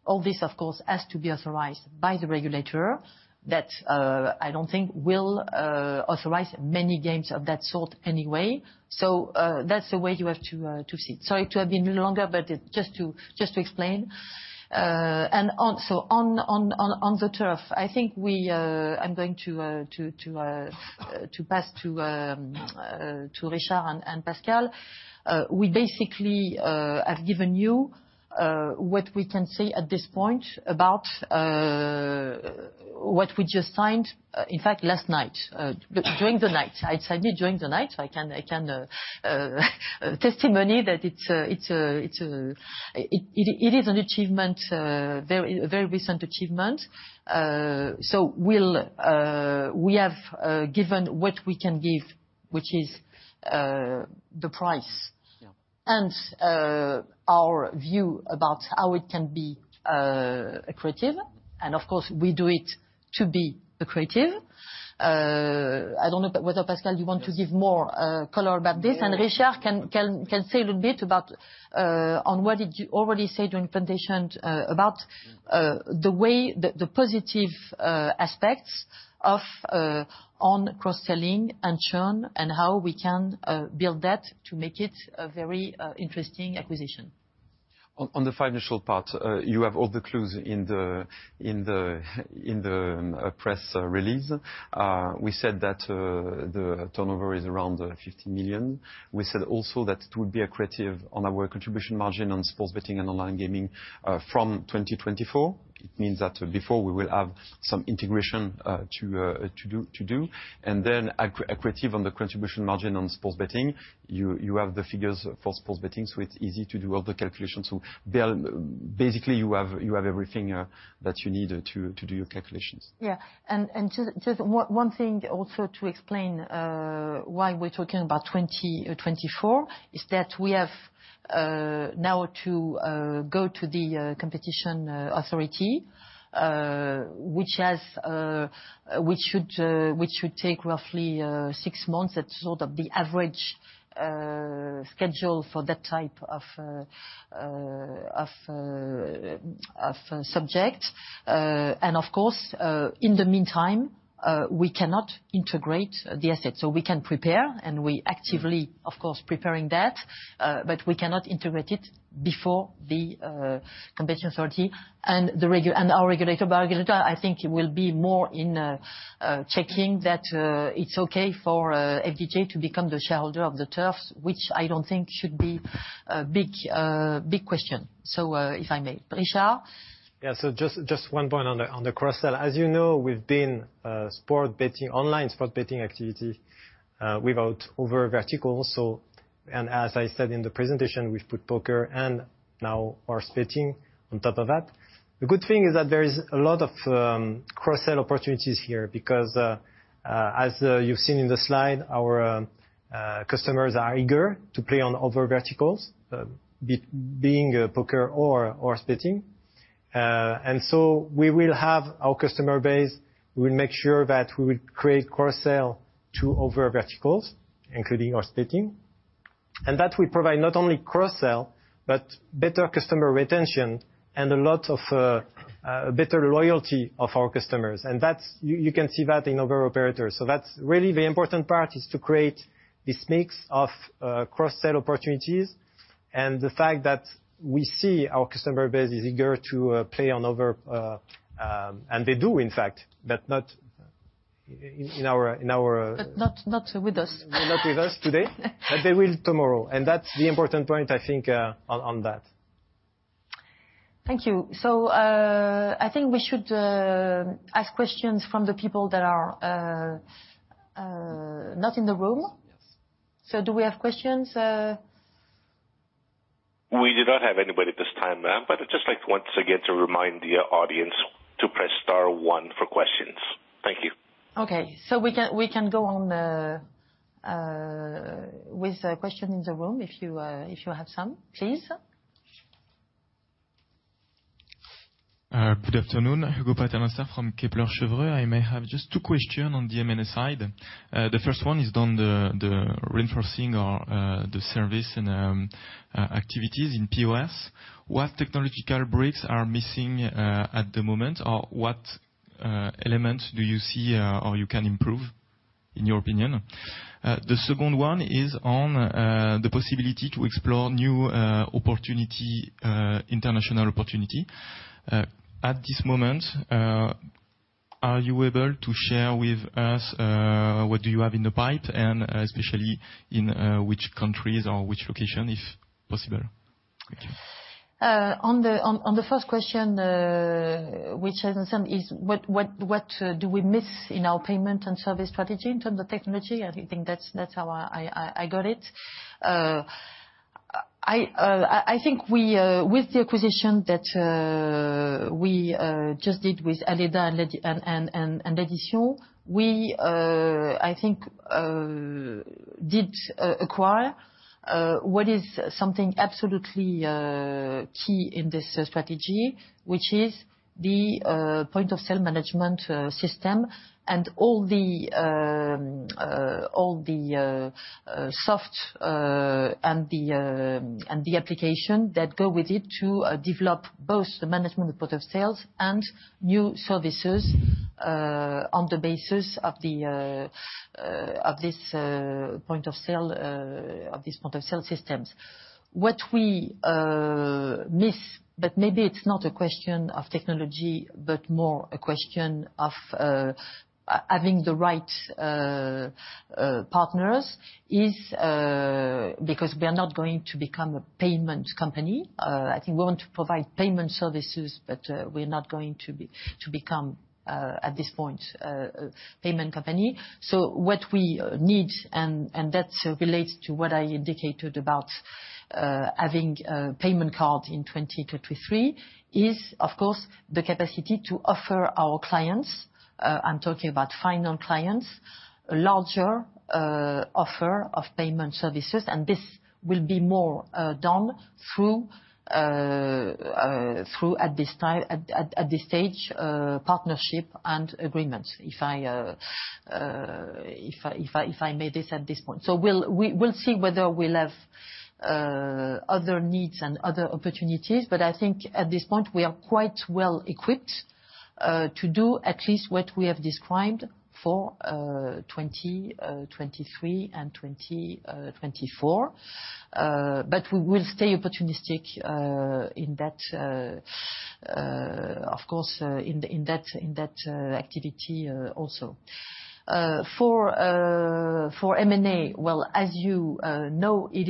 All this, of course, has to be authorized by the regulator that I don't think will authorize many games of that sort anyway. That's the way you have to see it. Sorry to have been longer, but just to explain. Also on the turf, I'm going to pass to Richard and Pascal. We basically have given you what we can say at this point about what we just signed, in fact, last night. During the night. I signed it during the night. I can testimony that it is an achievement, a very recent achievement. We have given what we can give, which is the price. Yeah. Our view about how it can be accretive. Of course, we do it to be accretive. I don't know whether Pascal you want to give more color about this. Richard can say a little bit about what did you already say during presentation about the way the positive aspects of cross-selling and churn and how we can build that to make it a very interesting acquisition. On the financial part, you have all the clues in the press release. We said that the turnover is around 50 million. We said also that it would be accretive on our contribution margin on sports betting and online gaming from 2024. It means that before we will have some integration to do and then accretive on the contribution margin on sports betting. You have the figures for sports betting, so it's easy to do all the calculations. Basically, you have everything that you need to do your calculations. Yeah. Just one thing also to explain why we're talking about 2024 is that we have now to go to the competition authority, which should take roughly six months. That's sort of the average schedule for that type of subject. Of course, in the meantime, we cannot integrate the assets. We can prepare, and we actively, of course, preparing that. We cannot integrate it before the competition authority and our regulator. Our regulator, I think, will be more in checking that it's okay for FDJ to become the shareholder of the Turfs, which I don't think should be a big question. If I may. Richard? Yeah. Just one point on the cross-sell. As you know, we've been sport betting, online sport betting activity without other verticals. As I said in the presentation, we've put poker and now horse betting on top of that. The good thing is that there is a lot of cross-sell opportunities here because as you've seen in the slide, our customers are eager to play on other verticals, being poker or sports betting. We will have our customer base. We will make sure that we will create cross-sell to other verticals, including horse betting. That will provide not only cross-sell but better customer retention and a lot of better loyalty of our customers. You can see that in other operators. That's really the important part, is to create this mix of cross-sell opportunities. The fact that we see our customer base is eager to play on other. They do, in fact, but not in our. Not with us. Not with us today. They will tomorrow. That's the important point, I think, on that. Thank you. I think we should ask questions from the people that are not in the room. Yes. Do we have questions? We do not have anybody at this time, ma'am. I'd just like to once again to remind the audience to press star one for questions. Thank you. Okay. We can go on with a question in the room if you have some, please. Good afternoon. Hugo Paternoster from Kepler Cheuvreux. I may have just two questions on the M.&A. side. The first one is on the reinforcing or the service and activities in POS. What technological bricks are missing at the moment? What elements do you see or you can improve, in your opinion? The second one is on the possibility to explore new opportunity, international opportunity. At this moment, are you able to share with us what do you have in the pipe and especially in which countries or which location, if possible? Thank you. On the first question, which I understand is what do we miss in our payment and service strategy in terms of technology? I think that's how I got it. I think we with the acquisition that we just did with Aleda and L'Addition, we I think did acquire what is something absolutely key in this strategy, which is the point of sale management system and all the soft and the application that go with it to develop both the management report of sales and new services on the basis of this point of sale systems. What we miss, but maybe it's not a question of technology, but more a question of having the right partners, is because we are not going to become a payment company. I think we want to provide payment services, but we're not going to become at this point a payment company. What we need, and that's related to what I indicated about having a payment card in 2022, 2023, is of course the capacity to offer our clients, I'm talking about final clients, larger offer of payment services, and this will be more done through at this stage partnership and agreements. If I may this at this point. We will see whether we'll have other needs and other opportunities. I think at this point, we are quite well equipped to do at least what we have described for 2023 and 2024. We will stay opportunistic, of course, in that activity also. For M&A, well, as you know, it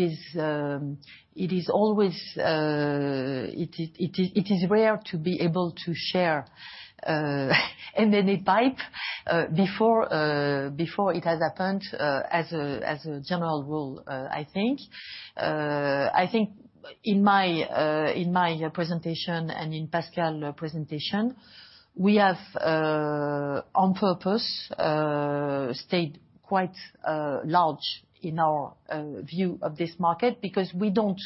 is always rare to be able to share any pipe before it has happened as a general rule, I think. I think in my presentation and in Pascal presentation, we have on purpose stayed quite large in our view of this market because we don't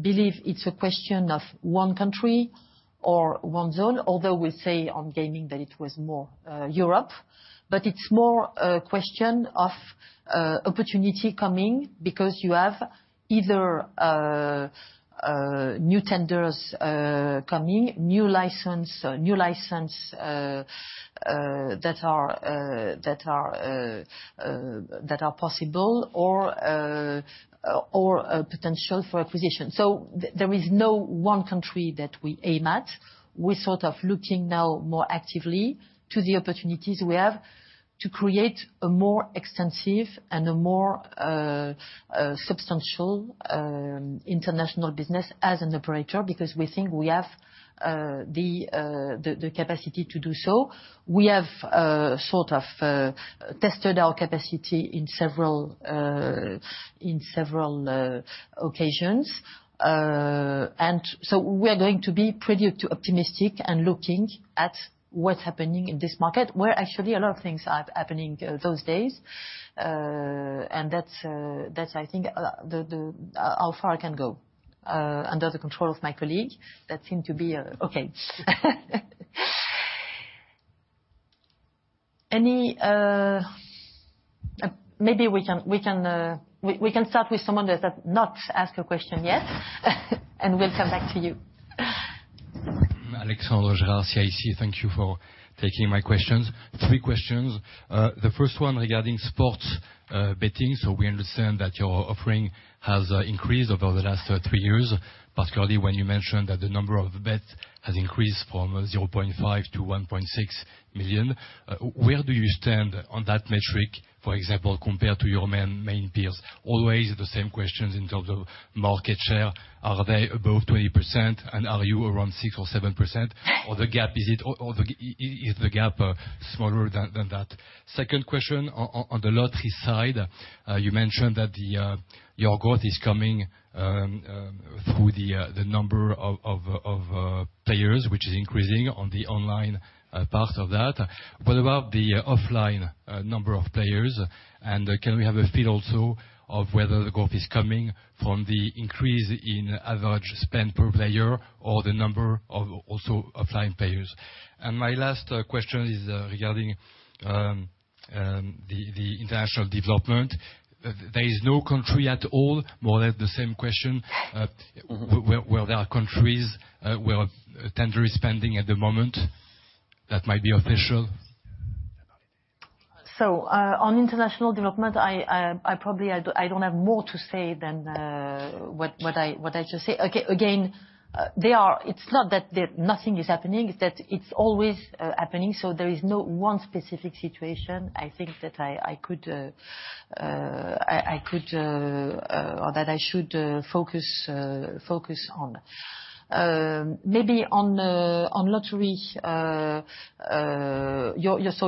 believe it's a question of one country or one zone. Although we say on gaming that it was more Europe, but it's more a question of opportunity coming because you have either new tenders coming, new license that are possible or a potential for acquisition. There is no one country that we aim at. We're sort of looking now more actively to the opportunities we have to create a more extensive and a more substantial international business as an operator because we think we have the capacity to do so. We have sort of tested our capacity in several occasions. We're going to be pretty optimistic and looking at what's happening in this market, where actually a lot of things are happening those days. That's I think the how far I can go under the control of my colleague that seem to be okay. Maybe we can start with someone that has not asked a question yet, and we'll come back to you. Alexandre Gérard, CIC. Thank you for taking my questions. Three questions. The first one regarding sports betting. We understand that your offering has increased over the last three years, particularly when you mentioned that the number of bets has increased from 0.5 million-1.6 million. Where do you stand on that metric, for example, compared to your main peers? Always the same questions in terms of market share. Are they above 20%, and are you around 6% or 7%? Is the gap smaller than that? Second question on the lottery side, you mentioned that your growth is coming through the number of players which is increasing on the online part of that. What about the offline number of players? Can we have a feel also of whether the growth is coming from the increase in average spend per player or the number of also offline players? My last question is regarding the international development. There is no country at all. More or less the same question. Where there are countries where tender is pending at the moment that might be official? On international development, I probably don't have more to say than what I just say. Again, it's not that nothing is happening. It's that it's always happening. There is no one specific situation I think that I could or that I should focus on. Maybe on lottery,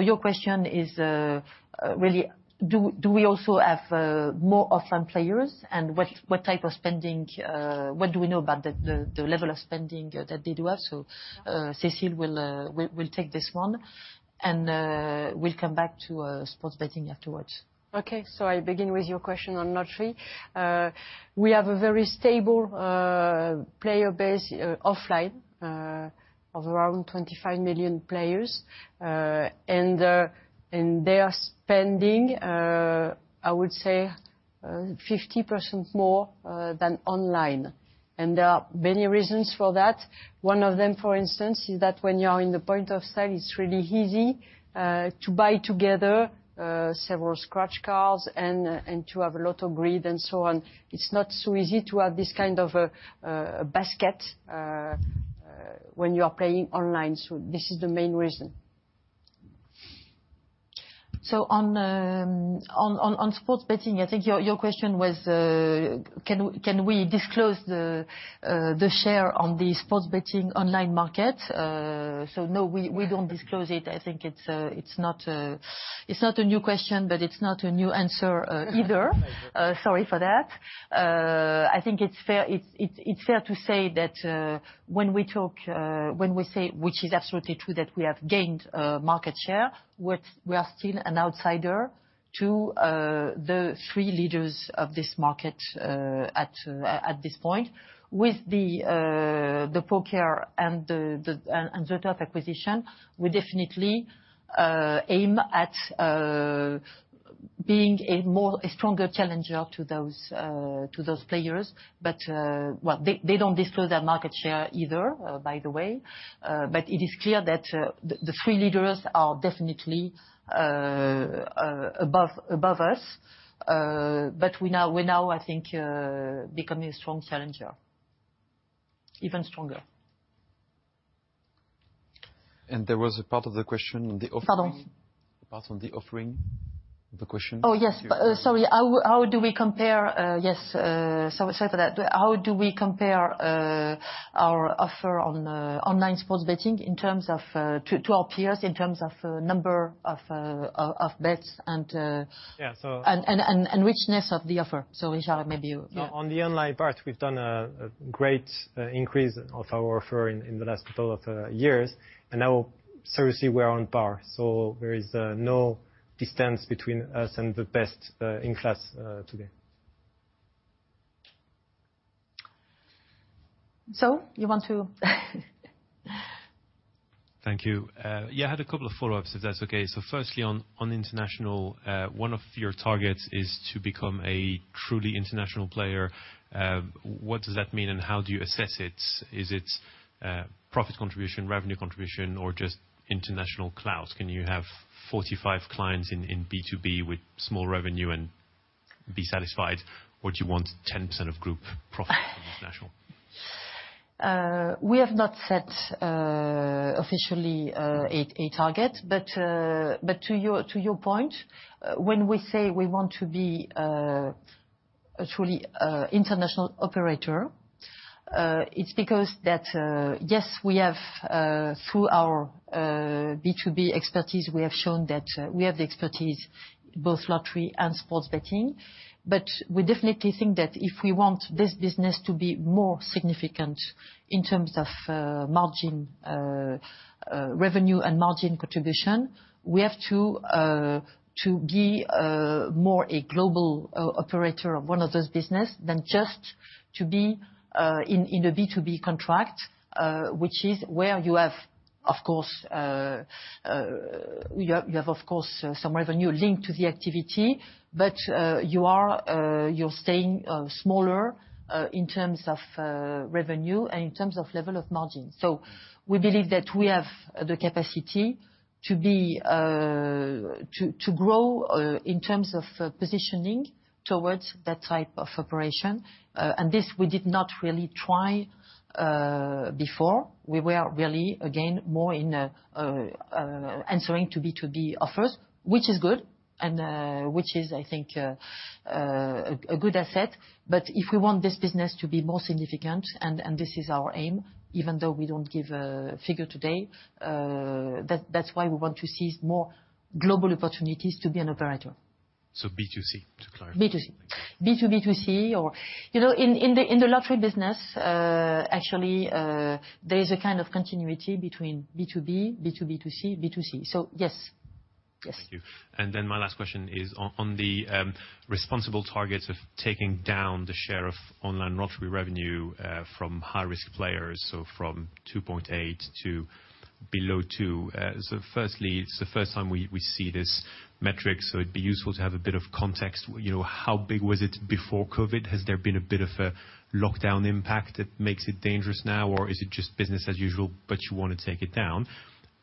your question is really do we also have more offline players and what type of spending, what do we know about the level of spending that they do have? Cécile will take this one and we'll come back to sports betting afterwards. Okay. I begin with your question on lottery. We have a very stable player base offline. Of around 25 million players. They are spending, I would say, 50% more than online. There are many reasons for that. One of them, for instance, is that when you are in the point of sale, it's really easy to buy together several scratch cards and to have a lot of grids and so on. It's not so easy to have this kind of basket when you are playing online. This is the main reason. On sports betting, I think your question was, can we disclose the share on the sports betting online market? No, we don't disclose it. I think it's not a new question, but it's not a new answer either. Sorry for that. I think it's fair to say that when we talk, when we say which is absolutely true, that we have gained market share, what we are still an outsider to the three leaders of this market at this point. With the poker and the top acquisition, we definitely aim at being a more, a stronger challenger to those players. Well, they don't disclose their market share either, by the way. It is clear that the three leaders are definitely above us. We now, I think, becoming a strong challenger. Even stronger. There was a part of the question on the offering. Pardon? The part on the offering. The question. Oh, yes. Sorry. Yes, sorry for that. How do we compare our offer on online sports betting in terms of to our peers, in terms of number of bets? Yeah. Richness of the offer. Richard, maybe you. Yeah. No. On the online part, we've done a great increase of our offer in the last couple of years. Now seriously we are on par. There is no distance between us and the best in class today. You want to. Thank you. Yeah, I had a couple of follow-ups if that's okay. Firstly, on international, one of your targets is to become a truly international player. What does that mean and how do you assess it? Is it profit contribution, revenue contribution or just international clout? Can you have 45 clients in B2B with small revenue and be satisfied, or do you want 10% of group profits from international? We have not set officially a target. To your point, when we say we want to be truly international operator, it's because that yes, through our B2B expertise, we have shown that we have the expertise both lottery and sports betting. We definitely think that if we want this business to be more significant in terms of margin, revenue and margin contribution, we have to be more a global operator of one of those business than just to be in a B2B contract, which is where you have, of course, some revenue linked to the activity, but you're staying smaller in terms of revenue and in terms of level of margin. We believe that we have the capacity to grow in terms of positioning towards that type of operation. This we did not really try before. We were really, again, more in answering to B2B offers. Which is good and which is, I think, a good asset. If we want this business to be more significant, and this is our aim, even though we don't give a figure today, that's why we want to see more global opportunities to be an operator. B2C, to clarify. B2C. B2B2C, or, you know, in the lottery business, actually, there is a kind of continuity between B2B, B2B2C, B2C. Yes. My last question is on the responsible targets of taking down the share of online lottery revenue from high-risk players, from 2.8% to below 2%. Firstly, it's the first time we see this metric, so it'd be useful to have a bit of context. You know, how big was it before COVID? Has there been a bit of a lockdown impact that makes it dangerous now, or is it just business as usual, but you wanna take it down?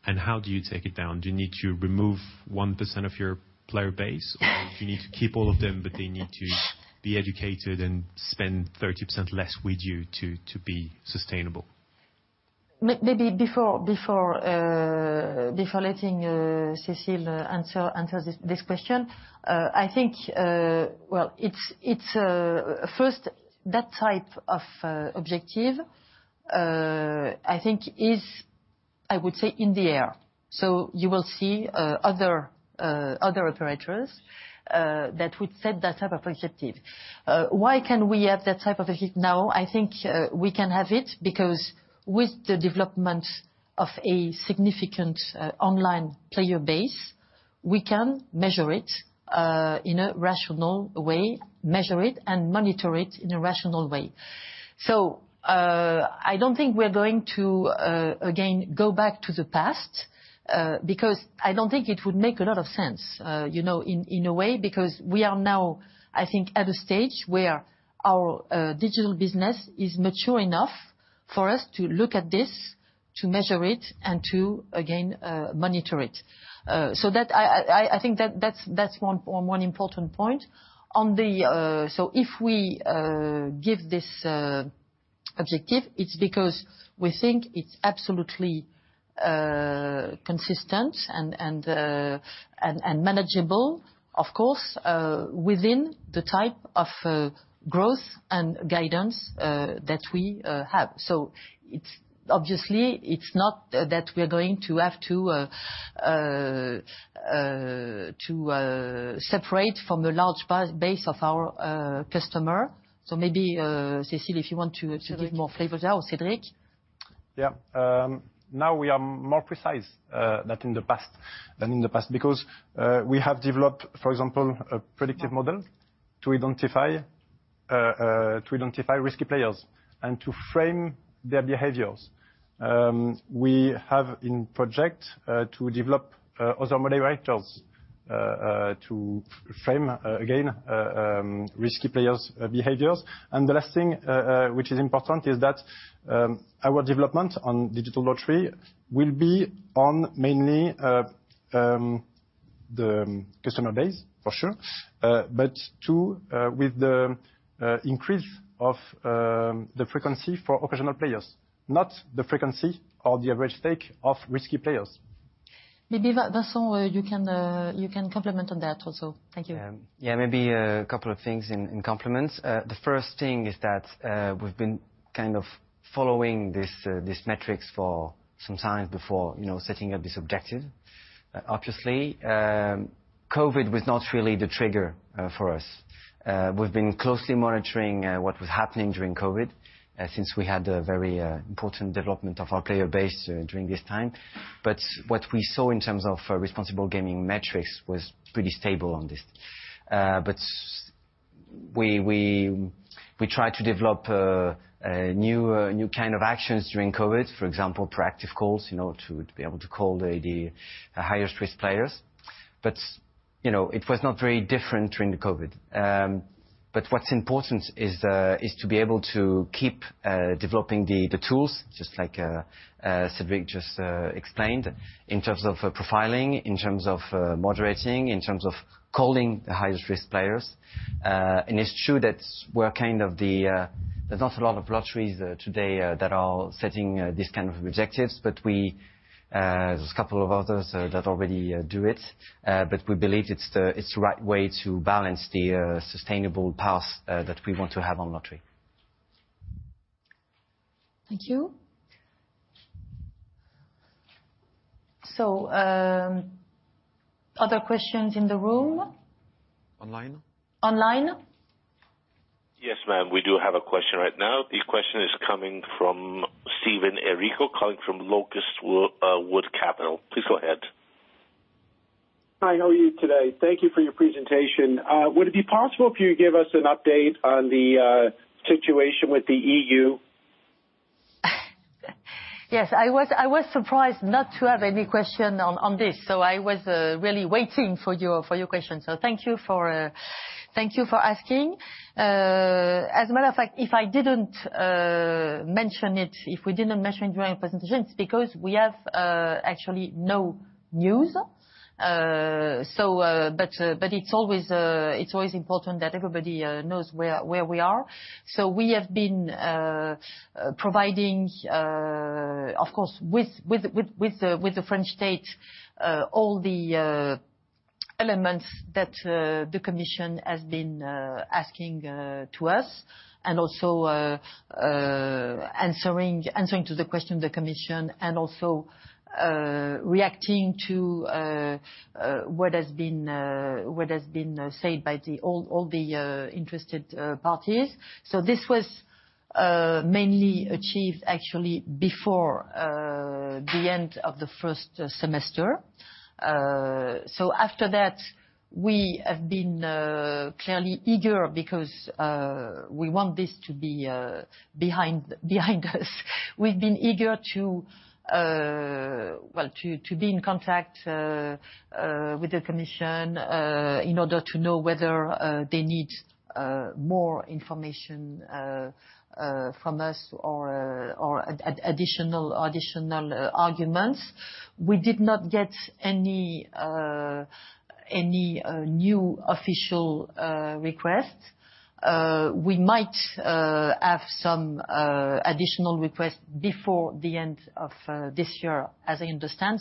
How do you take it down? Do you need to remove 1% of your player base? Do you need to keep all of them, but they need to be educated and spend 30% less with you to be sustainable? Maybe before letting Cécile answer this question, I think, well, it's first that type of objective I think is, I would say, in the air. You will see other operators that would set that type of objective. Why can we have that type of KPI now? I think we can have it because with the development of a significant online player base, we can measure it in a rational way, measure it and monitor it in a rational way. I don't think we're going to again go back to the past because I don't think it would make a lot of sense, you know, in a way, because we are now, I think, at a stage where our digital business is mature enough for us to look at this, to measure it and to again monitor it. I think that's one important point. If we give this objective, it's because we think it's absolutely consistent and manageable, of course, within the type of growth and guidance that we have. It's obviously not that we are going to have to separate from the large base of our customer. Maybe, Cécile, if you want to give more flavor there or Cédric. Yeah. Now we are more precise than in the past because we have developed, for example, a predictive model to identify risky players and to frame their behaviors. We have in project to develop other moderators to frame, again, risky players' behaviors. The last thing which is important is that our development on digital lottery will be on mainly the customer base for sure, but two, with the increase of the frequency for occasional players, not the frequency or the average take of risky players. Maybe, Vincent, you can complement on that also. Thank you. Yeah. Maybe a couple of things in complement. The first thing is that we've been kind of following these metrics for some time before, you know, setting up this objective. Obviously, COVID was not really the trigger for us. We've been closely monitoring what was happening during COVID since we had a very important development of our player base during this time. What we saw in terms of responsible gaming metrics was pretty stable on this. We tried to develop a new kind of actions during COVID, for example, proactive calls, you know, to be able to call the highest risk players. You know, it was not very different during the COVID. What's important is to be able to keep developing the tools, just like Cédric just explained, in terms of profiling, in terms of moderating, in terms of calling the highest risk players. It's true that there's not a lot of lotteries today that are setting these kind of objectives, but there's a couple of others that already do it. We believe it's the right way to balance the sustainable path that we want to have on lottery. Thank you. Other questions in the room? Online. Online? Yes, ma'am, we do have a question right now. The question is coming from Stephen Errico, calling from Locust Wood Capital. Please go ahead. Hi, how are you today? Thank you for your presentation. Would it be possible for you to give us an update on the situation with the E.U.? Yes. I was surprised not to have any question on this. I was really waiting for your question. Thank you for asking. As a matter of fact, if we didn't mention during presentation, it's because we have actually no news. It's always important that everybody knows where we are. We have been providing, of course, with the French State, all the elements that the Commission has been asking to us and also answering to the question of the Commission and also reacting to what has been said by all the interested parties. This was mainly achieved actually before the end of the first semester. After that we have been clearly eager because we want this to be behind us. We've been eager, well, to be in contact with the Commission in order to know whether they need more information from us or additional arguments. We did not get any new official request. We might have some additional requests before the end of this year, as I understand.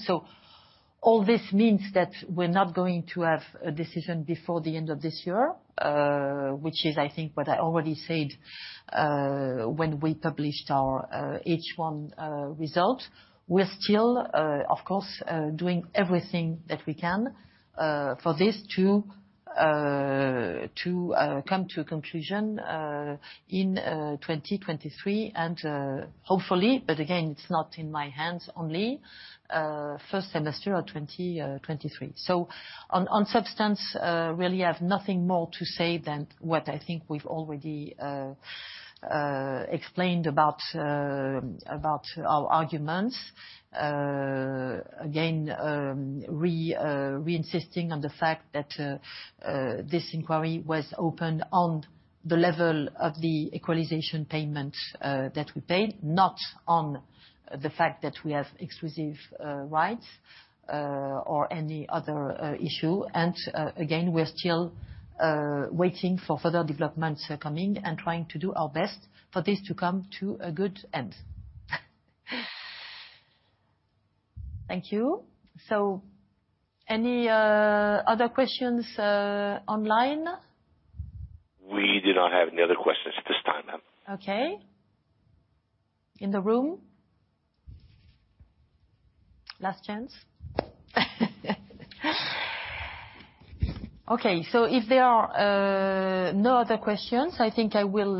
All this means that we're not going to have a decision before the end of this year, which is I think what I already said when we published our H1 result. We're still, of course, doing everything that we can for this to come to a conclusion in 2023 and, hopefully, but again, it's not in my hands only, first semester of 2023. On substance, really have nothing more to say than what I think we've already explained about our arguments. Again, re-insisting on the fact that this inquiry was opened on the level of the equalization payment that we paid, not on the fact that we have exclusive rights or any other issue. Again, we're still waiting for further developments coming and trying to do our best for this to come to a good end. Thank you. Any other questions online? We do not have any other questions at this time, ma'am. Okay. In the room? Last chance. Okay. If there are no other questions, I think I will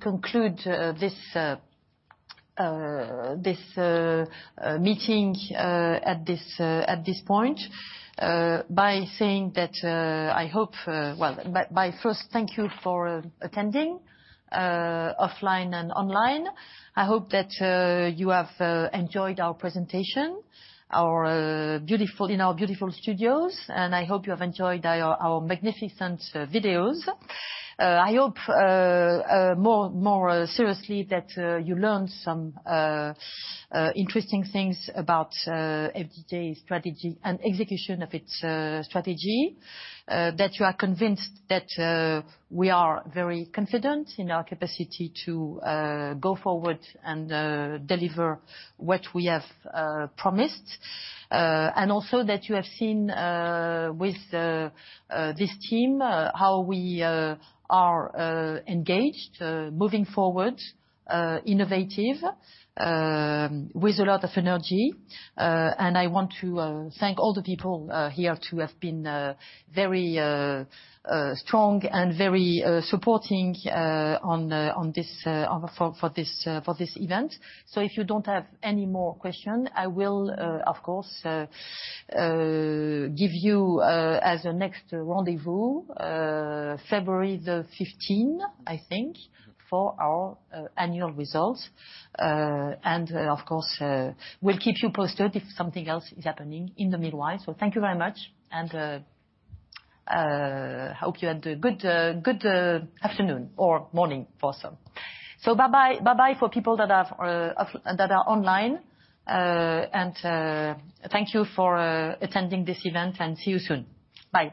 conclude this meeting at this point by saying that, well, by first, thank you for attending offline and online. I hope that you have enjoyed our presentation in our beautiful studios, and I hope you have enjoyed our magnificent videos. I hope, more seriously, that you learned some interesting things about FDJ's strategy and execution of its strategy, that you are convinced that we are very confident in our capacity to go forward and deliver what we have promised, and also that you have seen with this team how we are engaged, moving forward, innovative, with a lot of energy. I want to thank all the people here to have been very strong and very supporting for this event. If you don't have any more question, I will of course give you as a next rendezvous February the 15th, I think, for our annual results. Of course, we'll keep you posted if something else is happening in the meanwhile. Thank you very much, and hope you had a good afternoon or morning for some. Bye-bye. Bye-bye for people that are online. Thank you for attending this event, and see you soon. Bye.